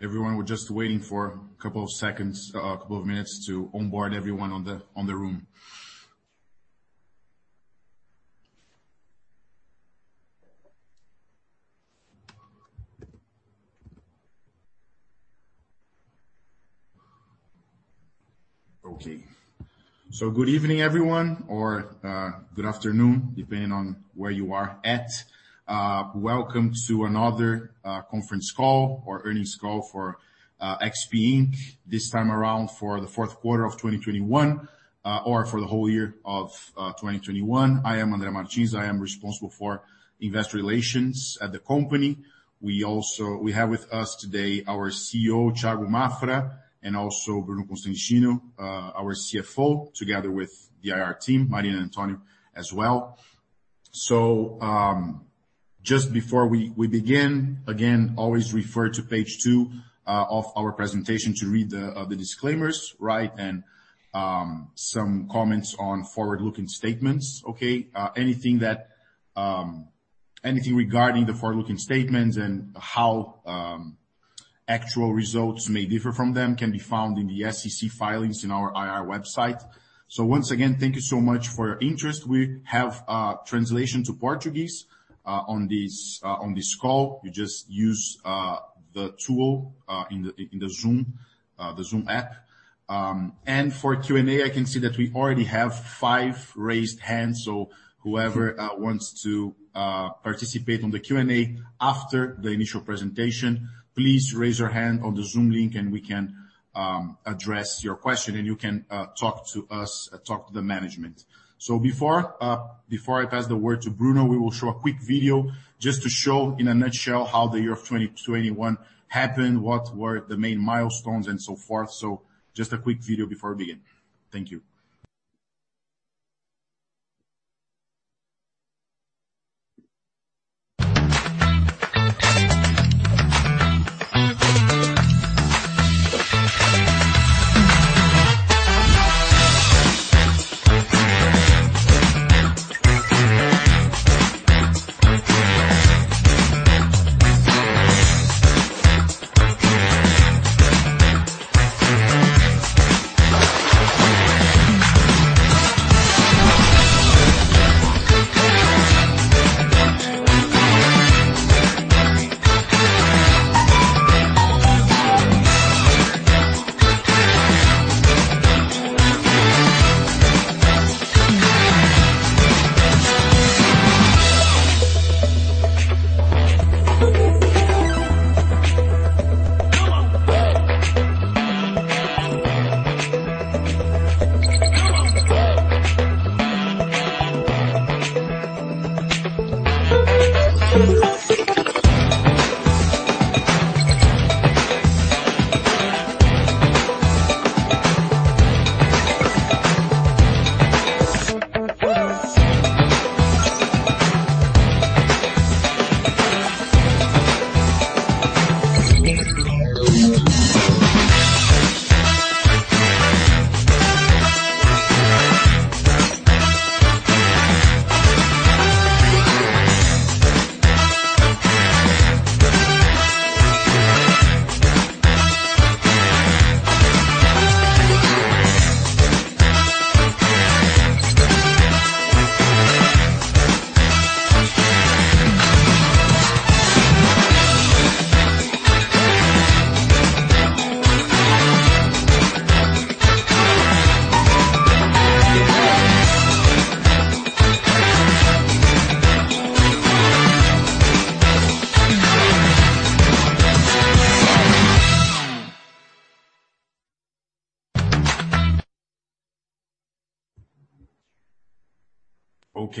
Everyone, we're just waiting for a couple of seconds, a couple of minutes to onboard everyone in the room. Okay. Good evening, everyone, or good afternoon, depending on where you are at. Welcome to another conference call or earnings call for XP Inc. This time around for the fourth quarter of 2021, or for the whole year of 2021. I am André Martins. I am responsible for investor relations at the company. We also have with us today our CEO, Thiago Maffra, and also Bruno Constantino, our CFO, together with the IR team, Maria and Antonio as well. Just before we begin, again, always refer to page two of our presentation to read the disclaimers, right? Some comments on forward-looking statements, okay. Anything regarding the forward-looking statements and how actual results may differ from them can be found in the SEC filings in our IR website. Once again, thank you so much for your interest. We have translation to Portuguese on this call. You just use the tool in the Zoom app. For Q&A, I can see that we already have five raised hands. Whoever wants to participate on the Q&A after the initial presentation, please raise your hand on the Zoom link and we can address your question and you can talk to the management. Before I pass the word to Bruno, we will show a quick video just to show in a nutshell how the year of 2021 happened, what were the main milestones and so forth. Just a quick video before we begin. Thank you.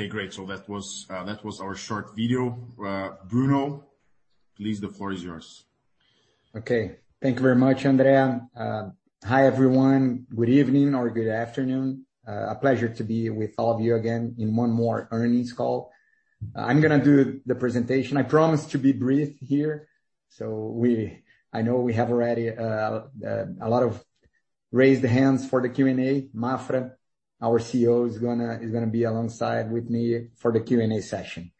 Okay, great. That was our short video. Bruno, please, the floor is yours. Okay. Thank you very much, André. Hi, everyone. Good evening or good afternoon. A pleasure to be with all of you again in one more earnings call. I'm gonna do the presentation. I promise to be brief here. I know we have already a lot of raised hands for the Q&A. Maffra, our CEO, is gonna be alongside with me for the Q&A session.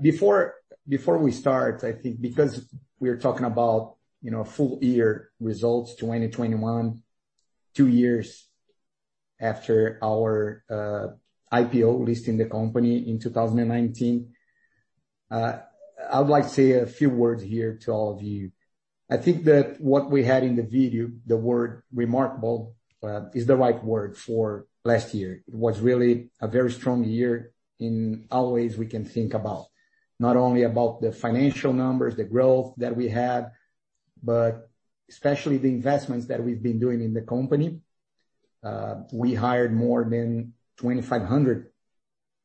Before we start, I think because we're talking about, you know, full year results 2021, two years after our IPO listing the company in 2019, I would like to say a few words here to all of you. I think that what we had in the video, the word remarkable, is the right word for last year. It was really a very strong year in all ways we can think about. Not only about the financial numbers, the growth that we had, but especially the investments that we've been doing in the company. We hired more than 2,500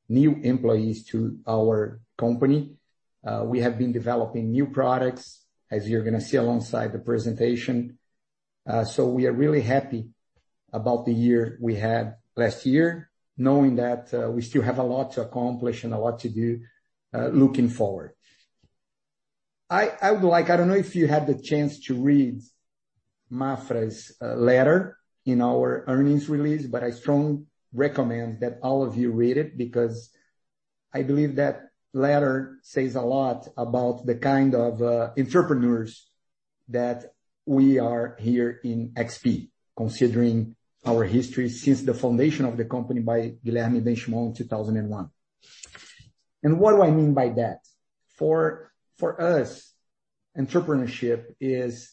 new employees to our company. We have been developing new products, as you're gonna see alongside the presentation. We are really happy about the year we had last year, knowing that we still have a lot to accomplish and a lot to do, looking forward. I would like. I don't know if you had the chance to read Maffra's letter in our earnings release, but I strongly recommend that all of you read it because I believe that letter says a lot about the kind of entrepreneurs that we are here in XP, considering our history since the foundation of the company by Guilherme Benchimol in 2001. What do I mean by that? For us, entrepreneurship is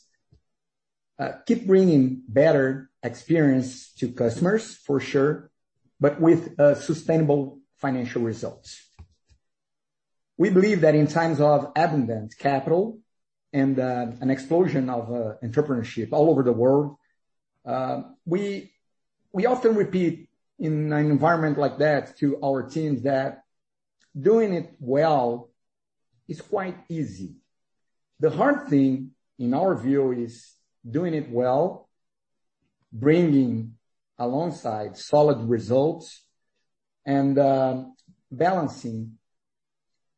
keep bringing better experience to customers, for sure, but with sustainable financial results. We believe that in times of abundant capital and an explosion of entrepreneurship all over the world, we often repeat in an environment like that to our teams that doing it well is quite easy. The hard thing, in our view, is doing it well, bringing alongside solid results and balancing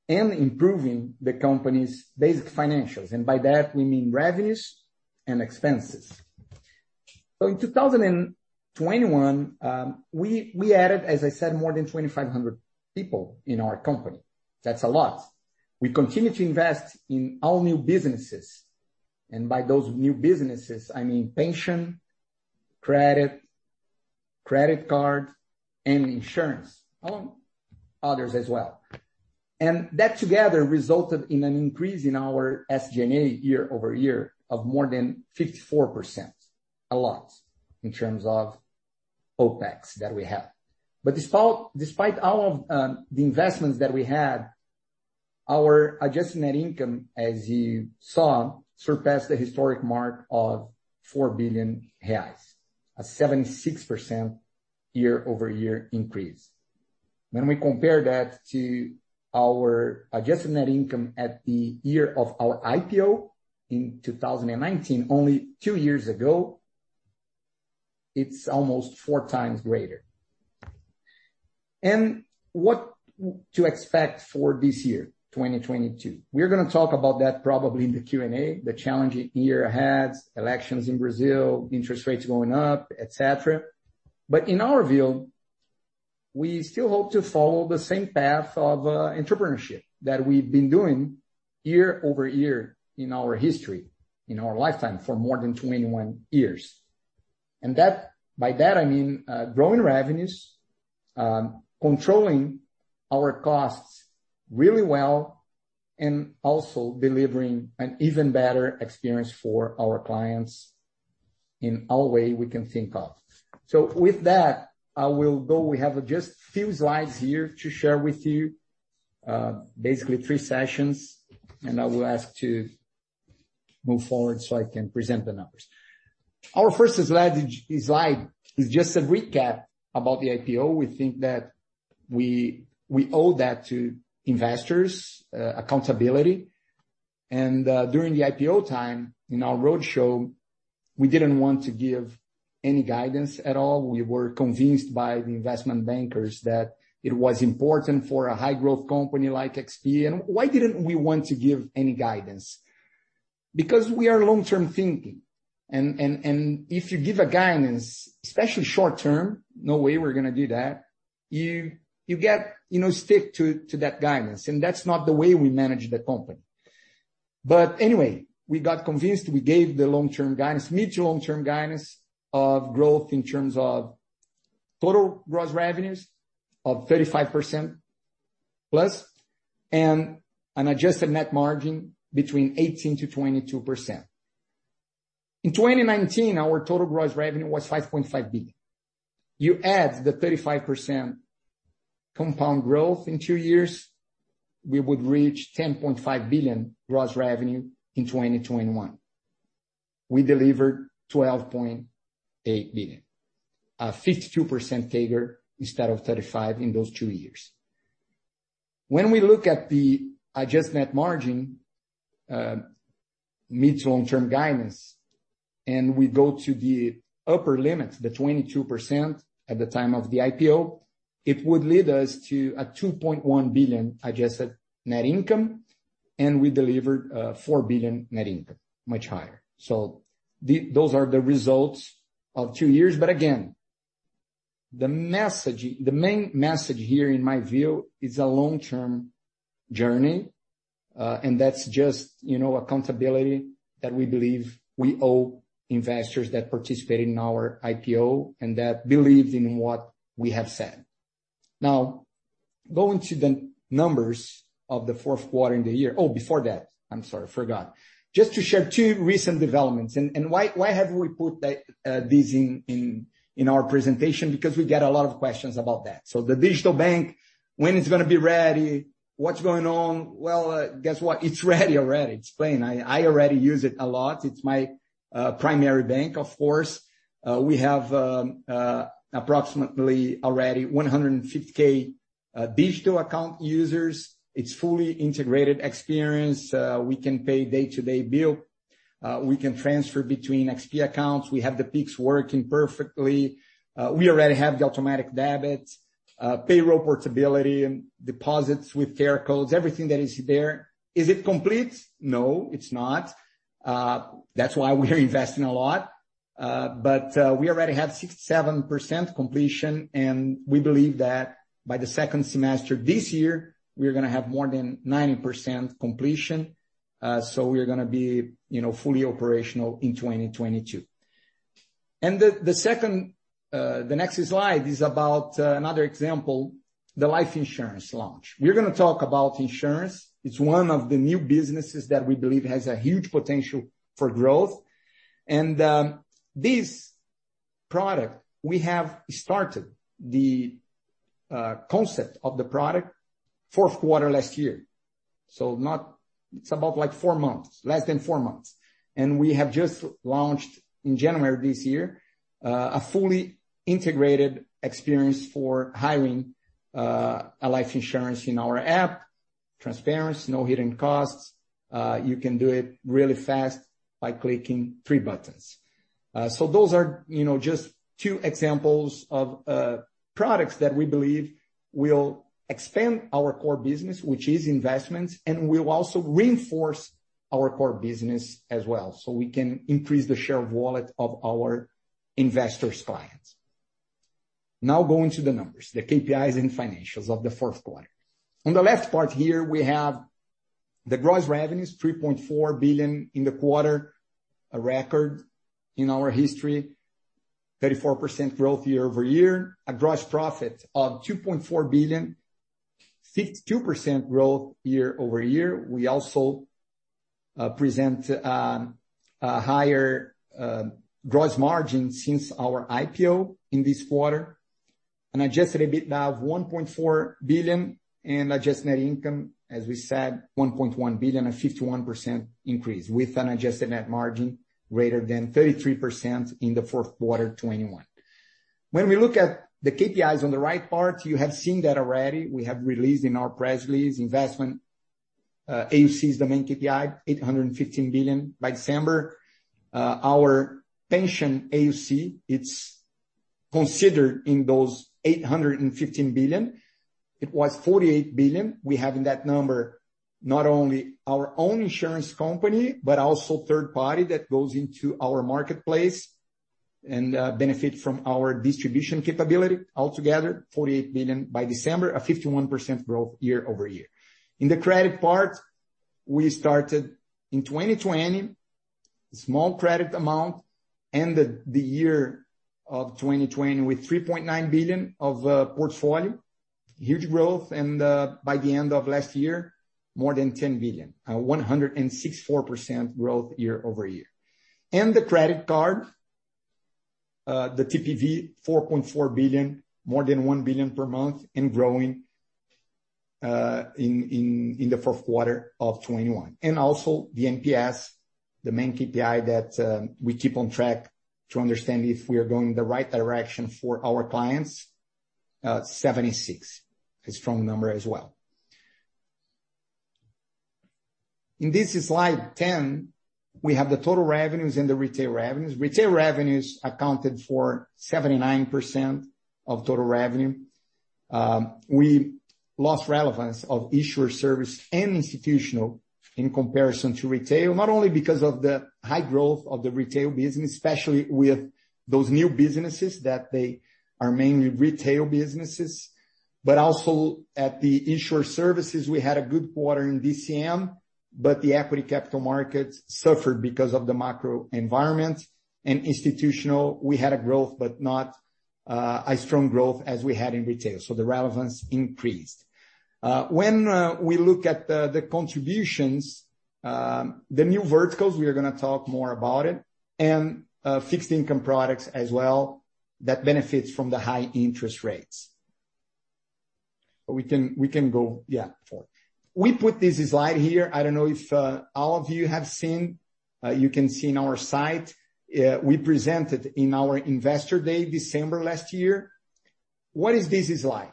and improving the company's basic financials. By that, we mean revenues and expenses. In 2021, we added, as I said, more than 2,500 people in our company. That's a lot. We continue to invest in all new businesses, and by those new businesses, I mean pension, credit cards, and insurance, among others as well. That together resulted in an increase in our SG&A year-over-year of more than 54%, a lot in terms of OpEx that we have. Despite all of the investments that we had, our adjusted net income, as you saw, surpassed the historic mark of 4 billion reais, a 76% year-over-year increase. When we compare that to our adjusted net income at the year of our IPO in 2019, only two years ago, it's almost 4x greater. What to expect for this year, 2022? We're gonna talk about that probably in the Q&A, the challenging year ahead, elections in Brazil, interest rates going up, et cetera. In our view, we still hope to follow the same path of entrepreneurship that we've been doing year-over-year in our history, in our lifetime for more than 21 years. By that I mean growing revenues, controlling our costs really well and also delivering an even better experience for our clients in all ways we can think of. With that, I will go. We have just a few slides here to share with you, basically three sections, and I will ask to move forward so I can present the numbers. Our first slide is like just a recap about the IPO. We think that we owe that to investors accountability. During the IPO time in our roadshow, we didn't want to give any guidance at all. We were convinced by the investment bankers that it was important for a high-growth company like XP. Why didn't we want to give any guidance? Because we are long-term thinking. If you give a guidance, especially short-term, no way we're gonna do that, you get, you know, stick to that guidance, and that's not the way we manage the company. Anyway, we got convinced. We gave the long-term guidance, mid to long-term guidance of growth in terms of total gross revenues of 35%+ and an adjusted net margin between 18%-22%. In 2019, our total gross revenue was 5.5 billion. You add the 35% compound growth in two years, we would reach 10.5 billion gross revenue in 2021. We delivered 12.8 billion, a 52% figure instead of 35% in those two years. When we look at the adjusted net margin, mid to long-term guidance, and we go to the upper limits, the 22% at the time of the IPO, it would lead us to a 2.1 billion adjusted net income, and we delivered, four billion net income, much higher. So those are the results of two years. Again, the main message here in my view is a long-term journey, and that's just, you know, accountability that we believe we owe investors that participate in our IPO and that believe in what we have said. Now, going to the numbers of the fourth quarter in the year. Oh, before that, I'm sorry, I forgot. Just to share two recent developments. Why have we put that this in our presentation? Because we get a lot of questions about that. The digital bank, when it's gonna be ready, what's going on? Well, guess what? It's ready already. It's plain. I already use it a lot. It's my primary bank, of course. We have approximately already 150,000 digital account users. It's fully integrated experience. We can pay day-to-day bill. We can transfer between XP accounts. We have the Pix working perfectly. We already have the automatic debits, payroll portability and deposits with fare codes, everything that is there. Is it complete? No, it's not. That's why we're investing a lot. We already have 6%-7% completion, and we believe that by the second semester this year, we're gonna have more than 90% completion. We're gonna be, you know, fully operational in 2022. The next slide is about another example, the life insurance launch. We're gonna talk about insurance. It's one of the new businesses that we believe has a huge potential for growth. This product we have started the concept of the product fourth quarter last year. It's about like four months, less than four months. We have just launched in January this year a fully integrated experience for hiring a life insurance in our app. Transparency, no hidden costs. You can do it really fast by clicking three buttons. Those are, you know, just two examples of products that we believe will expand our core business, which is investments, and will also reinforce our core business as well. We can increase the share of wallet of our investor clients. Now going to the numbers, the KPIs and financials of the fourth quarter. On the left part here we have the gross revenues, 3.4 billion in the quarter, a record in our history. 34% growth year-over-year. A gross profit of 2.4 billion, 62% growth year-over-year. We also present a higher gross margin since our IPO in this quarter. An adjusted EBITDA of 1.4 billion and adjusted net income, as we said, 1.1 billion, a 51% increase with an adjusted net margin greater than 33% in the fourth quarter 2021. When we look at the KPIs on the right part, you have seen that already. We have released in our press release investment, AUC's domain KPI, 815 billion by December. Our pension AUC, it's considered in those 815 billion. It was 48 billion. We have in that number, not only our own insurance company, but also third party that goes into our marketplace and benefit from our distribution capability. Altogether 48 billion by December, a 51% growth year-over-year. In the credit part, we started in 2020, small credit amount, ended the year of 2020 with 3.9 billion of portfolio. Huge growth and by the end of last year, more than 10 billion. 164% growth year-over-year. The credit card, the TPV, 4.4 billion, more than 1 billion per month and growing, in the fourth quarter of 2021. Also the NPS, the main KPI that we keep on track to understand if we are going the right direction for our clients. 76. A strong number as well. In this slide 10, we have the total revenues and the retail revenues. Retail revenues accounted for 79% of total revenue. We lost relevance of issuer service and institutional in comparison to retail. Not only because of the high growth of the retail business, especially with those new businesses that they are mainly retail businesses. Also at the issuer services, we had a good quarter in DCM, but the equity capital markets suffered because of the macro environment. In institutional we had a growth, but not a strong growth as we had in retail. The relevance increased. When we look at the contributions, the new verticals, we're gonna talk more about it, and fixed income products as well, that benefits from the high interest rates. We can go forward. We put this slide here. I don't know if all of you have seen. You can see in our site, we presented in our investor day December last year. What is this slide?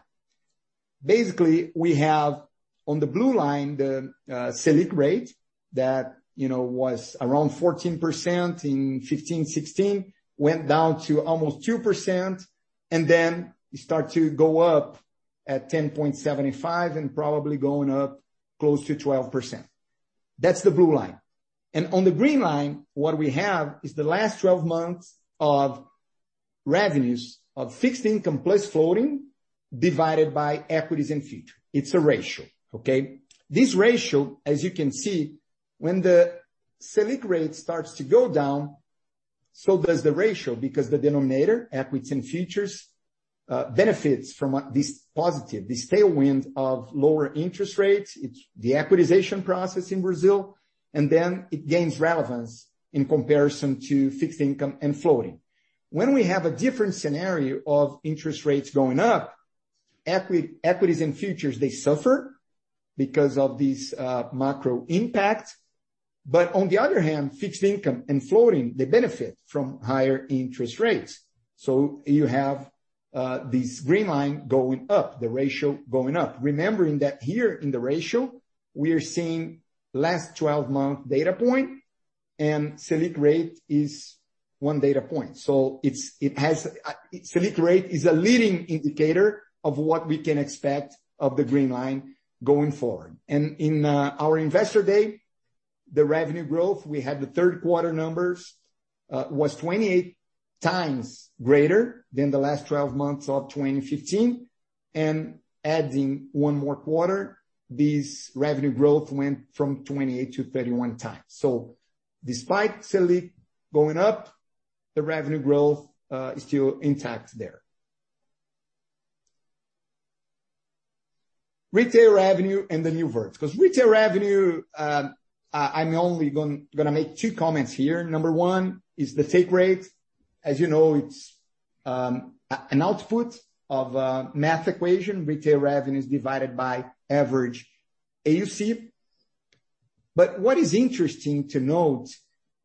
Basically, we have on the blue line, the Selic rate that, you know, was around 14% in 2015, 2016. Went down to almost 2% and then it start to go up at 10.75% and probably going up close to 12%. That's the blue line. On the green line, what we have is the last 12 months of revenues of fixed income plus floating divided by equities and futures. It's a ratio, okay? This ratio, as you can see, when the Selic rate starts to go down, so does the ratio. Because the denominator, equities and futures, benefits from this positive, this tailwind of lower interest rates. It's the equitization process in Brazil, and then it gains relevance in comparison to fixed income and floating. When we have a different scenario of interest rates going up, equities and futures, they suffer because of this macro impact. On the other hand, fixed income and floating, they benefit from higher interest rates. You have this green line going up, the ratio going up. Remembering that here in the ratio we are seeing last twelve month data point, and Selic rate is one data point. It's, it has, Selic rate is a leading indicator of what we can expect of the green line going forward. In our Investor Day, the revenue growth we had the third quarter numbers was 28x greater than the last 12 months of 2015. Adding one more quarter, this revenue growth went from 28x to 31x. Despite Selic going up, the revenue growth is still intact there. Retail revenue and the new vertical. 'Cause retail revenue, I'm only gonna make two comments here. Number one is the take rate. As you know, it's an output of a math equation. Retail revenue is divided by average AUC. What is interesting to note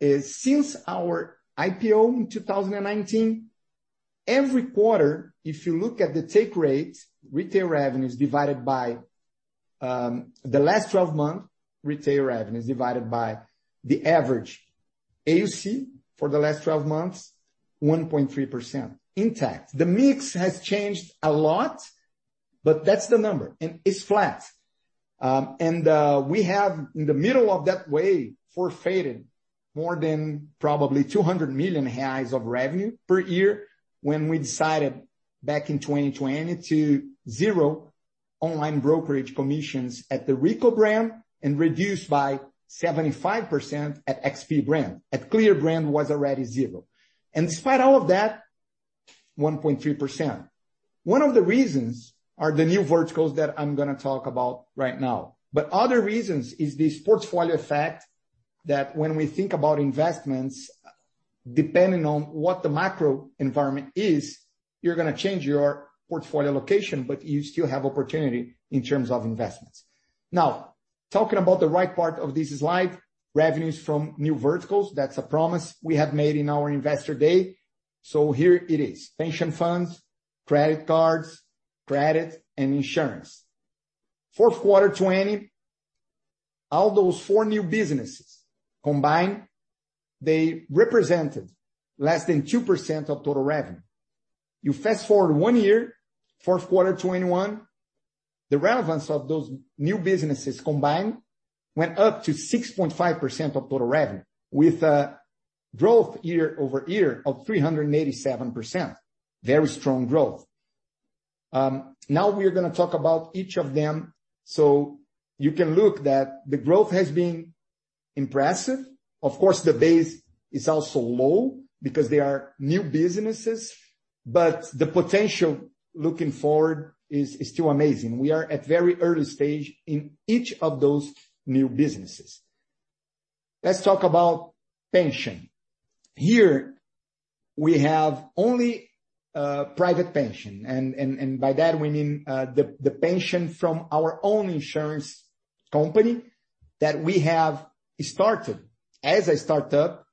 is since our IPO in 2019, every quarter, if you look at the take rate, retail revenues divided by the last 12 months, retail revenues divided by the average AUC for the last 12 months, 1.3% intact. The mix has changed a lot, but that's the number and it's flat. We have in the middle of that wave forfeited more than probably 200 million reais of revenue per year when we decided back in 2020 to zero online brokerage commissions at the Rico brand and reduced by 75% at XP brand. At Clear brand was already zero. Despite all of that, 1.3%. One of the reasons are the new verticals that I'm gonna talk about right now. Other reasons is this portfolio effect that when we think about investments, depending on what the macro environment is, you're gonna change your portfolio location, but you still have opportunity in terms of investments. Now, talking about the right part of this slide, revenues from new verticals. That's a promise we have made in our Investor Day. Here it is. Pension funds, credit cards, credit and insurance. Fourth quarter 2020, all those four new businesses combined, they represented less than 2% of total revenue. You fast-forward one year, fourth quarter 2021, the relevance of those new businesses combined went up to 6.5% of total revenue with a growth year-over-year of 387%. Very strong growth. Now we are gonna talk about each of them, so you can see that the growth has been impressive. Of course, the base is also low because they are new businesses. The potential looking forward is still amazing. We are at a very early stage in each of those new businesses. Let's talk about pension. Here we have only private pension, and by that we mean, the pension from our own insurance company that we have started as a startup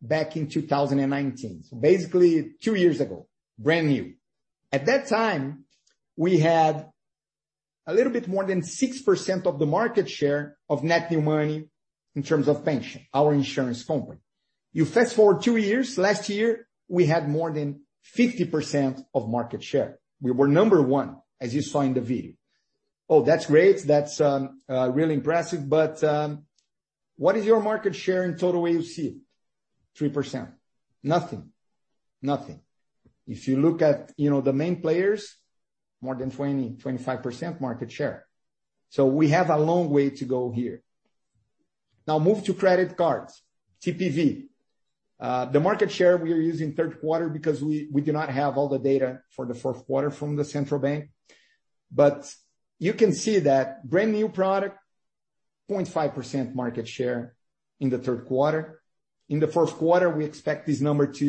back in 2019. So basically two years ago. Brand new. At that time, we had a little bit more than 6% of the market share of net new money in terms of pension, our insurance company. You fast-forward two years. Last year we had more than 50% of market share. We were number one, as you saw in the video. Oh, that's great. That's really impressive. What is your market share in total AUC? 3%. Nothing. If you look at, you know, the main players, more than 20%-25% market share. We have a long way to go here. Now move to credit cards. TPV. The market share we are using third quarter because we do not have all the data for the fourth quarter from the Central Bank. But you can see that brand new product, 0.5% market share in the third quarter. In the fourth quarter, we expect this number to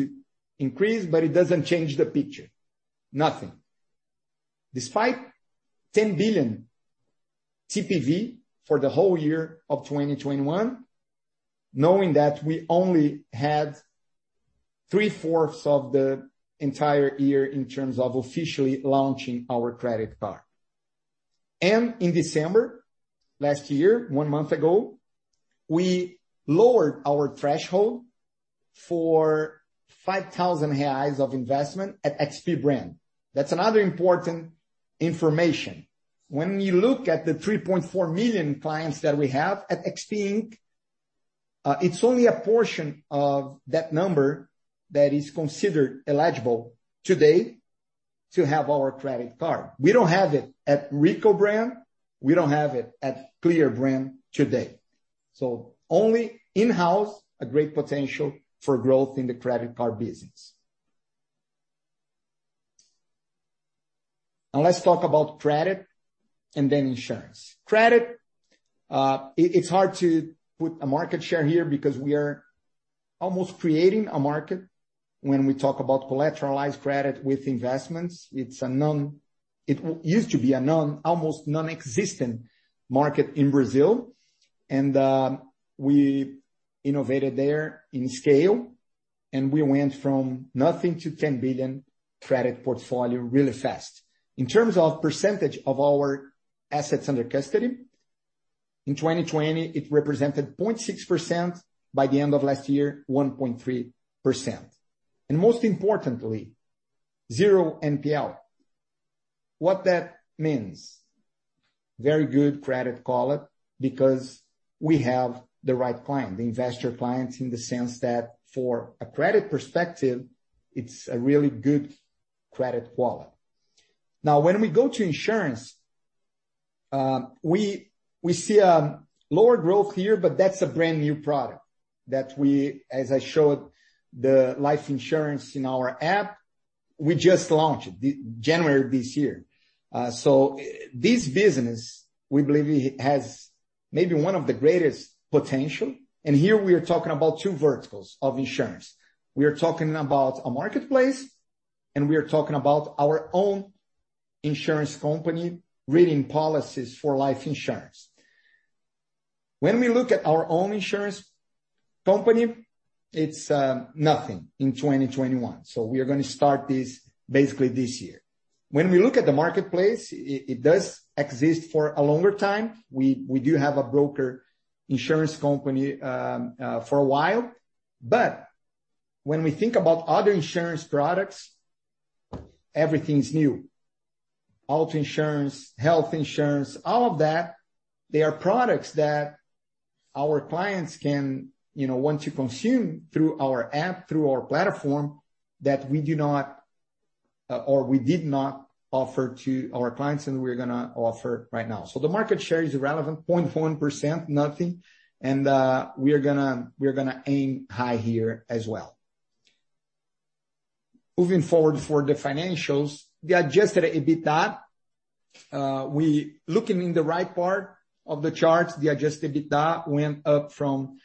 increase, but it doesn't change the picture. Nothing. Despite 10 billion TPV for the whole year of 2021, knowing that we only had three-fourths of the entire year in terms of officially launching our credit card. In December last year, one month ago, we lowered our threshold for 5,000 reais of investment at XP brand. That's another important information. When you look at the 3.4 million clients that we have at XP Inc, it's only a portion of that number that is considered eligible today to have our credit card. We don't have it at Rico brand. We don't have it at Clear brand today. Only in-house, a great potential for growth in the credit card business. Now let's talk about credit and then insurance. Credit, it's hard to put a market share here because we are almost creating a market when we talk about collateralized credit with investments. It used to be almost a non-existent market in Brazil. We innovated there in scale, and we went from nothing to 10 billion credit portfolio really fast. In terms of percentage of our assets under custody, in 2020 it represented 0.6%. By the end of last year, 1.3%. Most importantly, zero NPL. What that means, very good credit quality because we have the right client, the investor clients, in the sense that for a credit perspective, it's a really good credit wallet. Now, when we go to insurance, we see a lower growth here, but that's a brand-new product. As I showed the life insurance in our app, we just launched it this January this year. This business, we believe it has maybe one of the greatest potential. Here we are talking about two verticals of insurance. We are talking about a marketplace, and we are talking about our own insurance company writing policies for life insurance. When we look at our own insurance company, it's nothing in 2021. We are gonna start this basically this year. When we look at the marketplace, it does exist for a longer time. We do have a broker insurance company for a while. But when we think about other insurance products, everything is new. Auto insurance, health insurance, all of that, they are products that our clients can, you know, want to consume through our app, through our platform, that we did not offer to our clients, and we're gonna offer right now. The market share is irrelevant, 0.1%, nothing. We're gonna aim high here as well. Moving forward for the financials. The adjusted EBITDA, we... Looking in the right part of the chart, the adjusted EBITDA went up from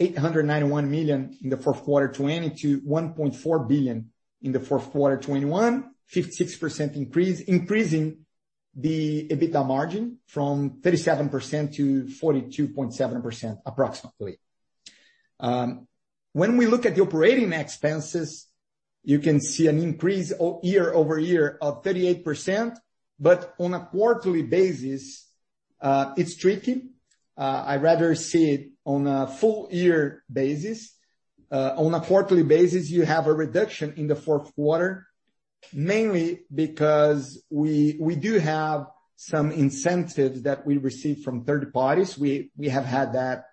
891 million in the fourth quarter 2020 to 1.4 billion in the fourth quarter 2021. 56% increase, increasing the EBITDA margin from 37% to 42.7% approximately. When we look at the operating expenses, you can see an increase year-over-year of 38%. On a quarterly basis, it's tricky. I'd rather see it on a full year basis. On a quarterly basis, you have a reduction in the fourth quarter. Mainly because we do have some incentives that we receive from third parties. We have had that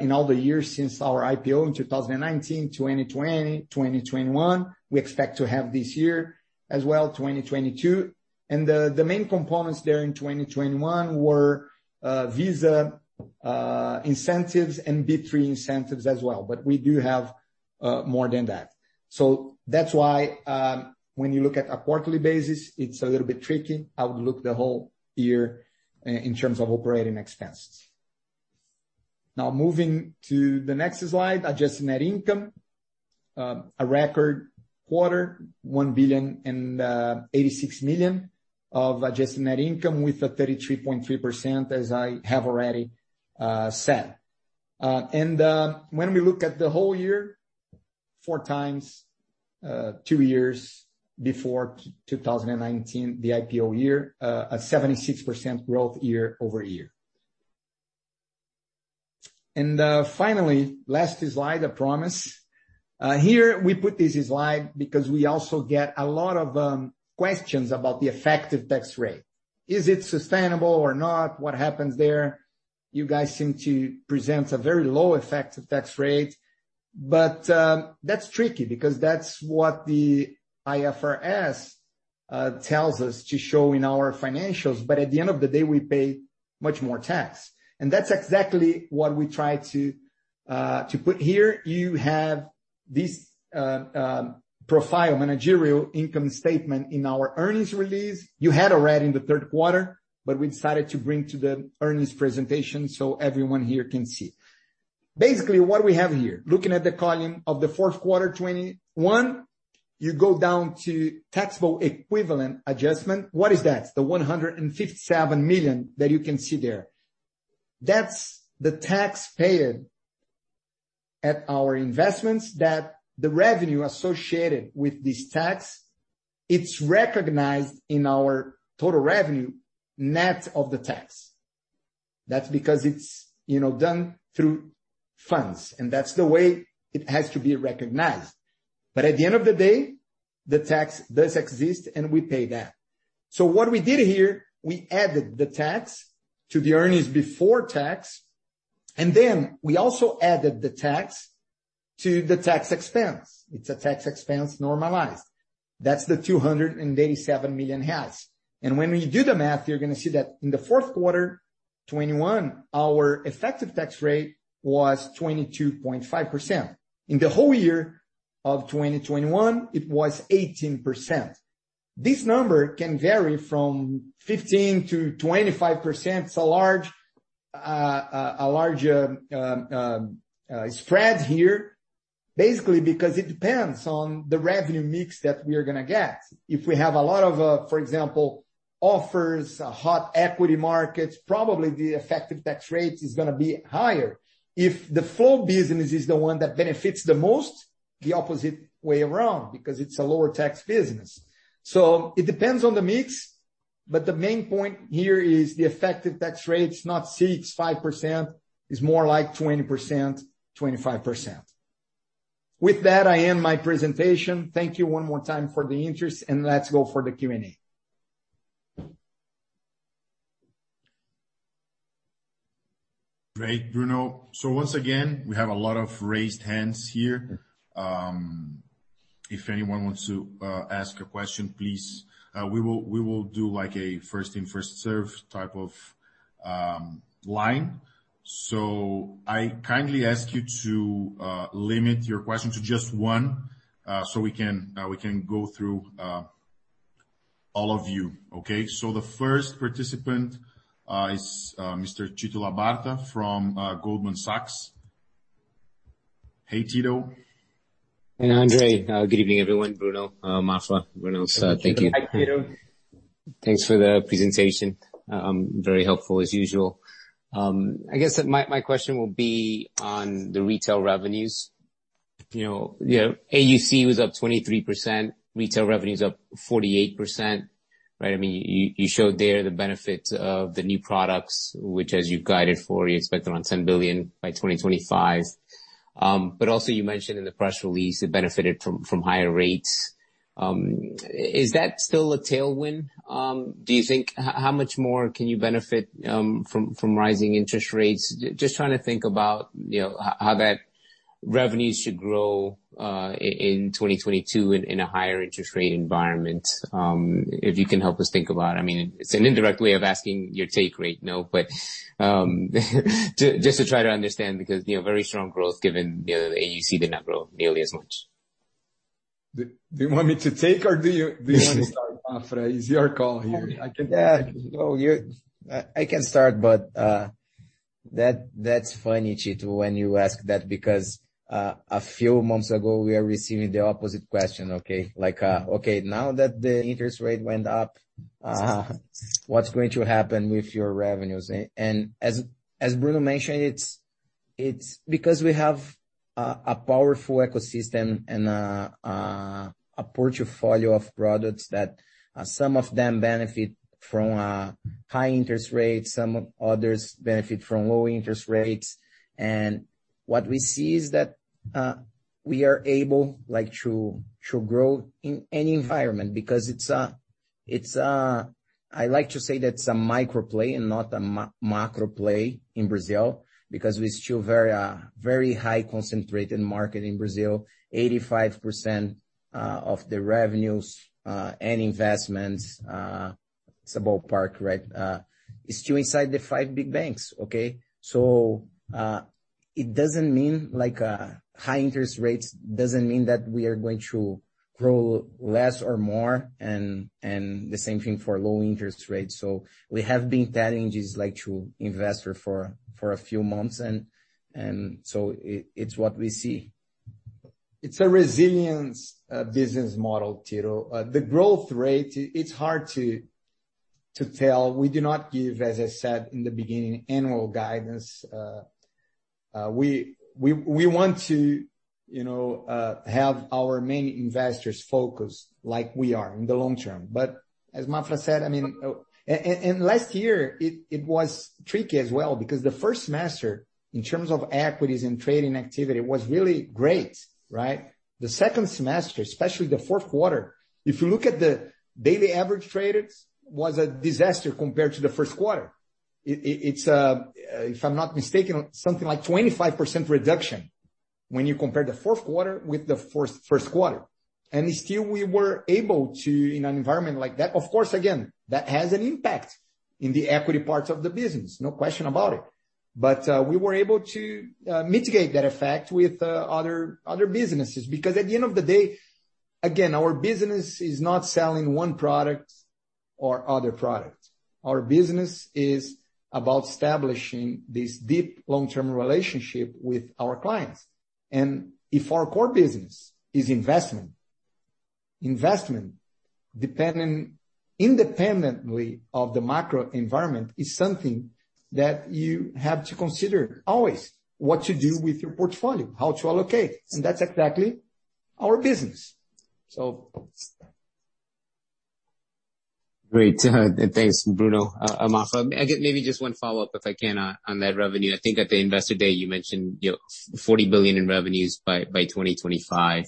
in all the years since our IPO in 2019, 2020, 2021. We expect to have this year as well, 2022. The main components there in 2021 were Visa incentives and B3 incentives as well. We do have more than that. That's why when you look on a quarterly basis, it's a little bit tricky. I would look at the whole year in terms of operating expenses. Now, moving to the next slide, adjusted net income. A record quarter, 1.086 billion of adjusted net income with a 33.3%, as I have already said. When we look at the whole year, 4x two years before 2019, the IPO year, a 76% growth year-over-year. Finally, last slide, I promise. Here we put this slide because we also get a lot of questions about the effective tax rate. Is it sustainable or not? What happens there? You guys seem to present a very low effective tax rate. That's tricky because that's what the IFRS tells us to show in our financials. At the end of the day, we pay much more tax. That's exactly what we try to put here. You have this profile managerial income statement in our earnings release. You had already in the third quarter, but we decided to bring to the earnings presentation, so everyone here can see. Basically, what we have here, looking at the column of the fourth quarter 2021, you go down to taxable equivalent adjustment. What is that? The $157 million that you can see there. That's the tax paid at our investments, that the revenue associated with this tax, it's recognized in our total revenue net of the tax. That's because it's, you know, done through funds, and that's the way it has to be recognized. But at the end of the day, the tax does exist, and we pay that. What we did here, we added the tax to the earnings before tax, and then we also added the tax to the tax expense. It's a tax expense normalized. That's the 287 million. When we do the math, you're gonna see that in the fourth quarter 2021, our effective tax rate was 22.5%. In the whole year of 2021, it was 18%. This number can vary from 15%-25%. It's a large spread here. Basically, because it depends on the revenue mix that we are gonna get. If we have a lot of, for example, offers, hot equity markets, probably the effective tax rate is gonna be higher. If the flow business is the one that benefits the most, the opposite way around because it's a lower tax business. It depends on the mix, but the main point here is the effective tax rate's not 65%, it's more like 20%-25%. With that, I end my presentation. Thank you one more time for the interest, and let's go for the Q&A. Great, Bruno. Once again, we have a lot of raised hands here. If anyone wants to ask a question, please, we will do like a first come, first served type of line. I kindly ask you to limit your question to just one, so we can go through all of you. Okay. The first participant is Mr. Tito Labarta from Goldman Sachs. Hey, Tito. Hey, André. Good evening, everyone, Bruno, Maffra, Bruno. Thank you. Hi, Tito. Thanks for the presentation. Very helpful as usual. I guess that my question will be on the retail revenues. You know, AUC was up 23%, retail revenues up 48%, right? I mean, you showed there the benefits of the new products, which as you've guided for, you expect around 10 billion by 2025. But also you mentioned in the press release it benefited from higher rates. Is that still a tailwind, do you think? How much more can you benefit from rising interest rates? Just trying to think about, you know, how that revenues should grow in 2022 in a higher interest rate environment. If you can help us think about it. I mean, it's an indirect way of asking your take rate, no? Just to try to understand because, you know, very strong growth given, you know, the AUC did not grow nearly as much. Do you want me to take or do you wanna start, Maffra? It's your call here. I can. Yeah. No, I can start, but that's funny, Tito, when you ask that because a few months ago we are receiving the opposite question, okay? Like, okay, now that the interest rate went up, what's going to happen with your revenues? As Bruno mentioned, it's because we have a powerful ecosystem and a portfolio of products that some of them benefit from high interest rates, some others benefit from low interest rates. What we see is that we are able, like, to grow in any environment because it's a micro play and not a macro play in Brazil because we're still very highly concentrated market in Brazil. 85% of the revenues and investments, it's a ballpark, right?, is still inside the five big banks, okay? It doesn't mean like, high interest rates doesn't mean that we are going to grow less or more, and the same thing for low interest rates. We have been telling this, like, to investors for a few months and so it's what we see. It's a resilient business model, Tito. The growth rate, it's hard to tell. We do not give, as I said in the beginning, annual guidance. We want to, you know, have our main investors focused like we are in the long term. As Maffra said, I mean, and last year it was tricky as well because the first semester in terms of equities and trading activity was really great, right? The second semester, especially the fourth quarter, if you look at the daily average revenue trades, was a disaster compared to the first quarter. It's, if I'm not mistaken, something like 25% reduction when you compare the fourth quarter with the first quarter. Still we were able to in an environment like that, of course, again, that has an impact in the equity parts of the business. No question about it. We were able to mitigate that effect with other businesses. Because at the end of the day, again, our business is not selling one product or other product. Our business is about establishing this deep long-term relationship with our clients. If our core business is investment independently of the macro environment is something that you have to consider always what to do with your portfolio, how to allocate, and that's exactly our business. Great. Thanks, Bruno, Maffra. Maybe just one follow-up, if I can on that revenue. I think at the Investor Day you mentioned, you know, 40 billion in revenues by 2025.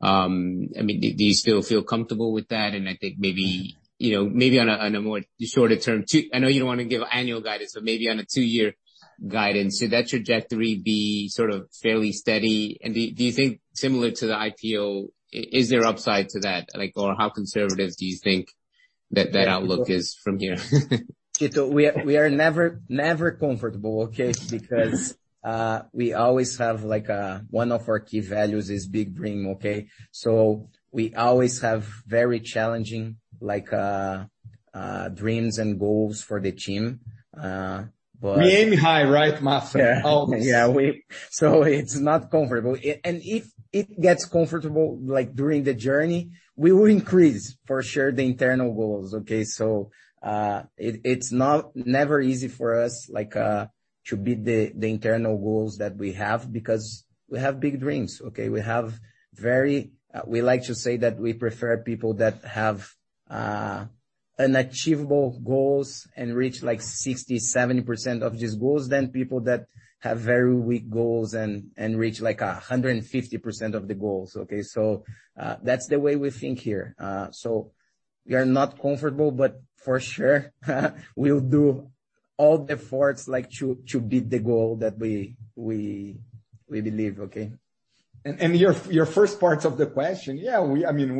I mean, do you still feel comfortable with that? I think maybe, you know, maybe on a more shorter term too. I know you don't wanna give annual guidance, but maybe on a two-year guidance. Should that trajectory be sort of fairly steady? Do you think similar to the IPO, is there upside to that? Like, or how conservative do you think that outlook is from here? Tito, we are never comfortable, okay? Because we always have like one of our key values is big dream, okay? We always have very challenging like dreams and goals for the team, but- Aim high, right, Maffra? Always. If it gets comfortable, like, during the journey, we will increase for sure the internal goals, okay? It's not never easy for us, like, to beat the internal goals that we have because we have big dreams, okay? We like to say that we prefer people that have an achievable goals and reach like 60%-70% of these goals than people that have very weak goals and reach like 150% of the goals, okay? That's the way we think here. We are not comfortable, but for sure, we'll do all efforts like to beat the goal that we believe, okay? Your first part of the question, yeah, I mean,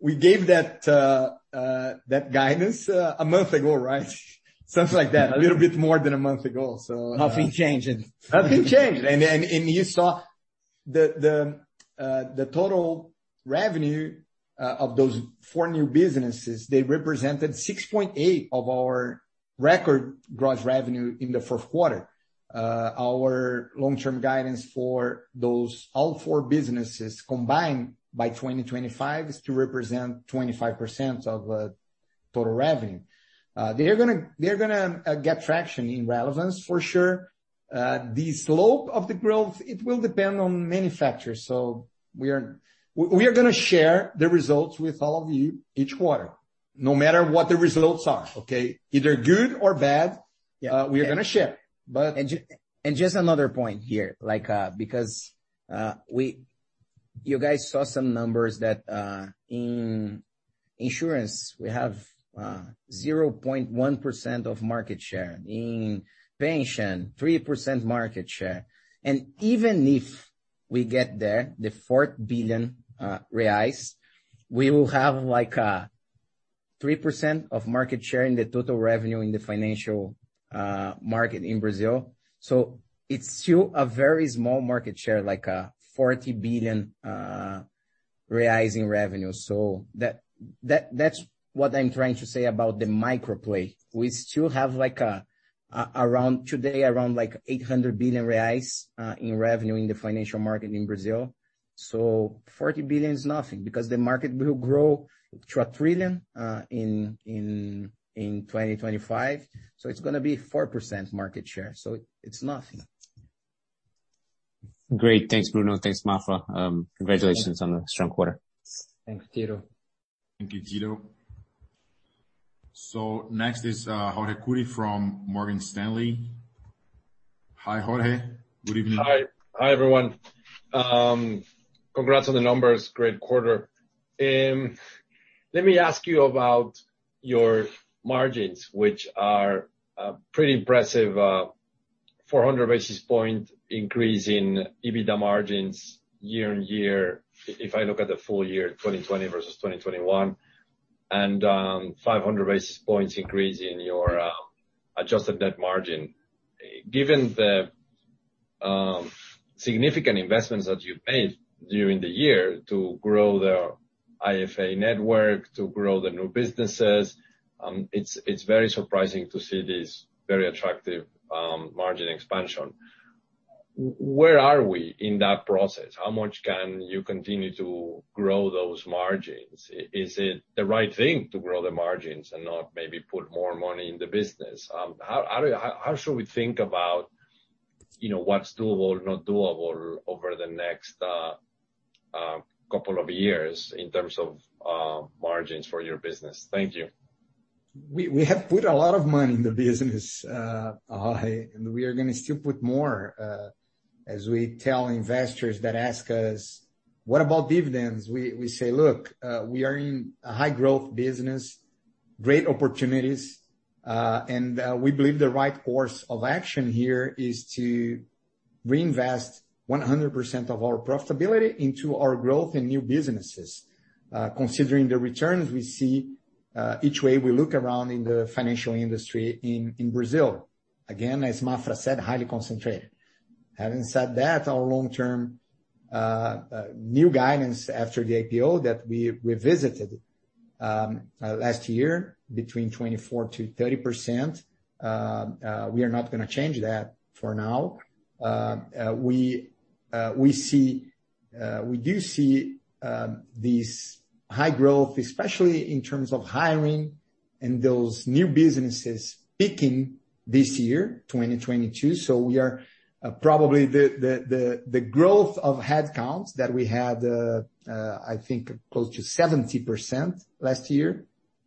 we gave that guidance a month ago, right? Something like that. A little bit more than a month ago, so Nothing changing. Nothing changed. You saw the total revenue of those four new businesses; they represented 6.8% of our record gross revenue in the fourth quarter. Our long-term guidance for those four businesses combined by 2025 is to represent 25% of the total revenue. They're gonna get traction in relevance for sure. The slope of the growth will depend on many factors. We are gonna share the results with all of you each quarter, no matter what the results are, okay? Either good or bad. Yeah. We are gonna share. Just another point here, like, because we... You guys saw some numbers that in insurance we have 0.1% of market share. In pension, 3% market share. Even if we get there, the 4 billion reais, we will have like 3% of market share in the total revenue in the financial market in Brazil. It's still a very small market share, like 40 billion in revenue. That's what I'm trying to say about the micro play. We still have like around, today around like 800 billion reais in revenue in the financial market in Brazil. 40 billion is nothing because the market will grow to 1 trillion in 2025. It's gonna be 4% market share, so it's nothing. Great. Thanks, Bruno. Thanks, Maffra. Congratulations on the strong quarter. Thanks, Tito. Thank you, Tito. Next is, Jorge Kuri from Morgan Stanley. Hi, Jorge. Good evening. Hi. Hi, everyone. Congrats on the numbers. Great quarter. Let me ask you about your margins, which are pretty impressive, 400 basis points increase in EBITDA margins year-on-year if I look at the full year 2020 versus 2021, and 500 basis points increase in your adjusted net margin. Given the significant investments that you've made during the year to grow the IFA network, to grow the new businesses, it's very surprising to see this very attractive margin expansion. Where are we in that process? How much can you continue to grow those margins? Is it the right thing to grow the margins and not maybe put more money in the business? How do... How should we think about, you know, what's doable or not doable over the next couple of years in terms of margins for your business? Thank you. We have put a lot of money in the business, Jorge, and we are gonna still put more. As we tell investors that ask us, "What about dividends?" We say, "Look, we are in a high growth business, great opportunities, and we believe the right course of action here is to reinvest 100% of our profitability into our growth in new businesses, considering the returns we see each way we look around in the financial industry in Brazil." Again, as Maffra said, highly concentrated. Having said that, our long-term new guidance after the IPO that we revisited last year between 24%-30%, we are not gonna change that for now. We see... We do see this high growth, especially in terms of hiring and those new businesses peaking this year, 2022. We are probably the growth of headcounts that we had, I think close to 70% last year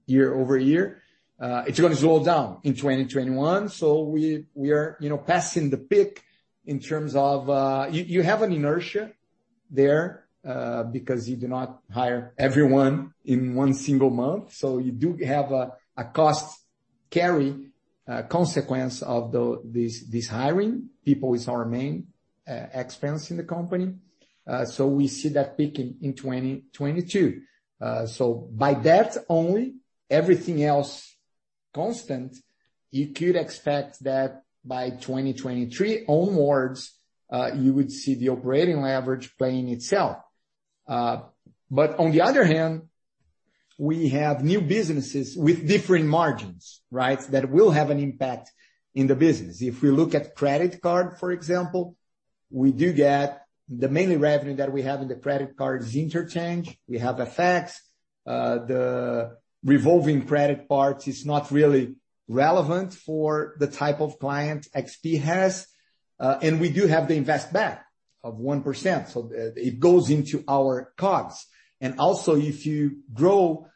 year-over-year, it's gonna slow down in 2021. We are, you know, passing the peak in terms of... You have an inertia there, because you do not hire everyone in one single month, so you do have a cost carry consequence of this hiring. People is our main expense in the company. We see that peaking in 2022. By that only, everything else constant, you could expect that by 2023 onward, you would see the operating leverage playing itself. On the other hand, we have new businesses with different margins, right? That will have an impact in the business. If we look at credit card, for example, we do get the main revenue that we have in the credit card is interchange. We have the fees. The revolving credit part is not really relevant for the type of client XP has. We do have the Investback of 1%, so it goes into our costs. If you grow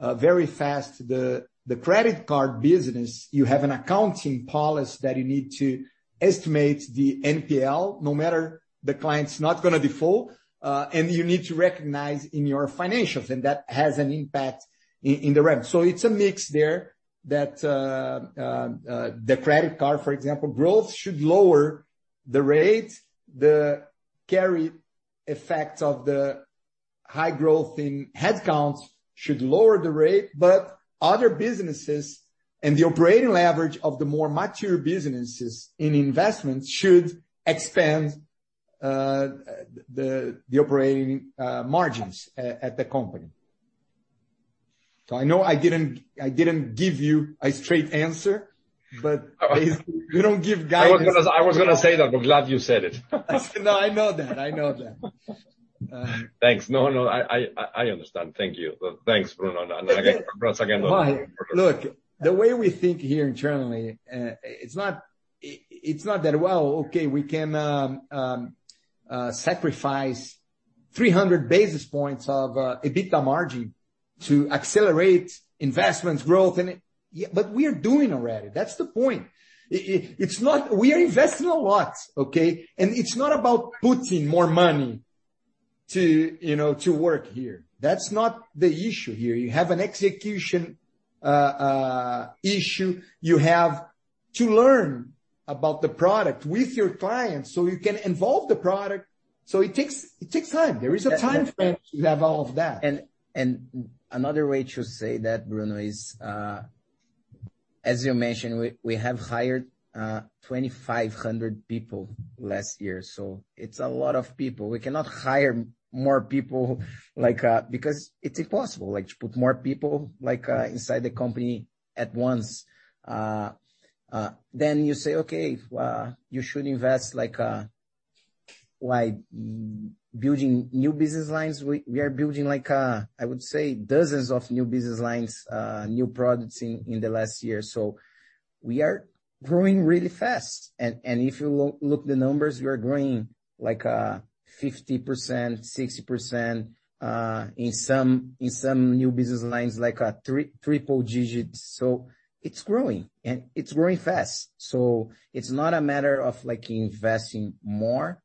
very fast, the credit card business, you have an accounting policy that you need to estimate the NPL, no matter the client's not gonna default, and you need to recognize in your financials, and that has an impact in the rev. It's a mix there that the credit card, for example, growth should lower the rate. The carry effects of the high growth in headcounts should lower the rate. Other businesses and the operating leverage of the more mature businesses in investments should expand the operating margins at the company. I know I didn't give you a straight answer, but- Oh. We don't give guidance. I was gonna say that, but glad you said it. No, I know that. Thanks. No, I understand. Thank you. Well, thanks, Bruno. Again, thanks again. Why? Look, the way we think here internally, it's not that well. Okay, we can sacrifice 300 basis points of EBITDA margin to accelerate investments growth and it. Yeah, but we are doing already. That's the point. It's not. We are investing a lot, okay? It's not about putting more money to, you know, to work here. That's not the issue here. You have an execution issue. You have to learn about the product with your clients so you can involve the product. So it takes time. There is a time frame to develop that. Another way to say that, Bruno, is as you mentioned, we have hired 2,500 people last year. It's a lot of people. We cannot hire more people like because it's impossible, like, to put more people, like, inside the company at once. You say, okay, you should invest like building new business lines. We are building like, I would say dozens of new business lines, new products in the last year. We are growing really fast. If you look at the numbers, we are growing like 50%, 60%, in some new business lines, like triple digits. It's growing, and it's growing fast. It's not a matter of, like, investing more.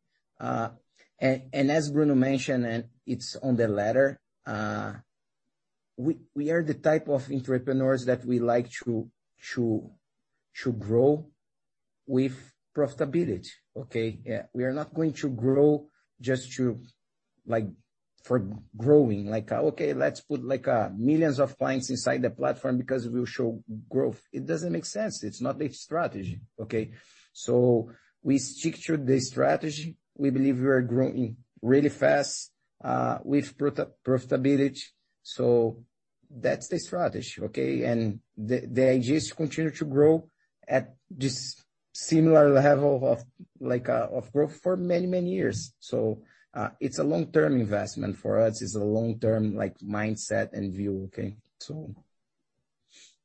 As Bruno mentioned, and it's on the letter, we are the type of entrepreneurs that we like to grow with profitability, okay? Yeah. We are not going to grow just to, like, for growing. Like, okay, let's put, like, millions of clients inside the platform because it will show growth. It doesn't make sense. It's not a strategy, okay? We stick to the strategy. We believe we are growing really fast, with profitability. That's the strategy, okay? The idea is to continue to grow at this similar level of, like, of growth for many, many years. It's a long-term investment for us. It's a long-term, like, mindset and view, okay?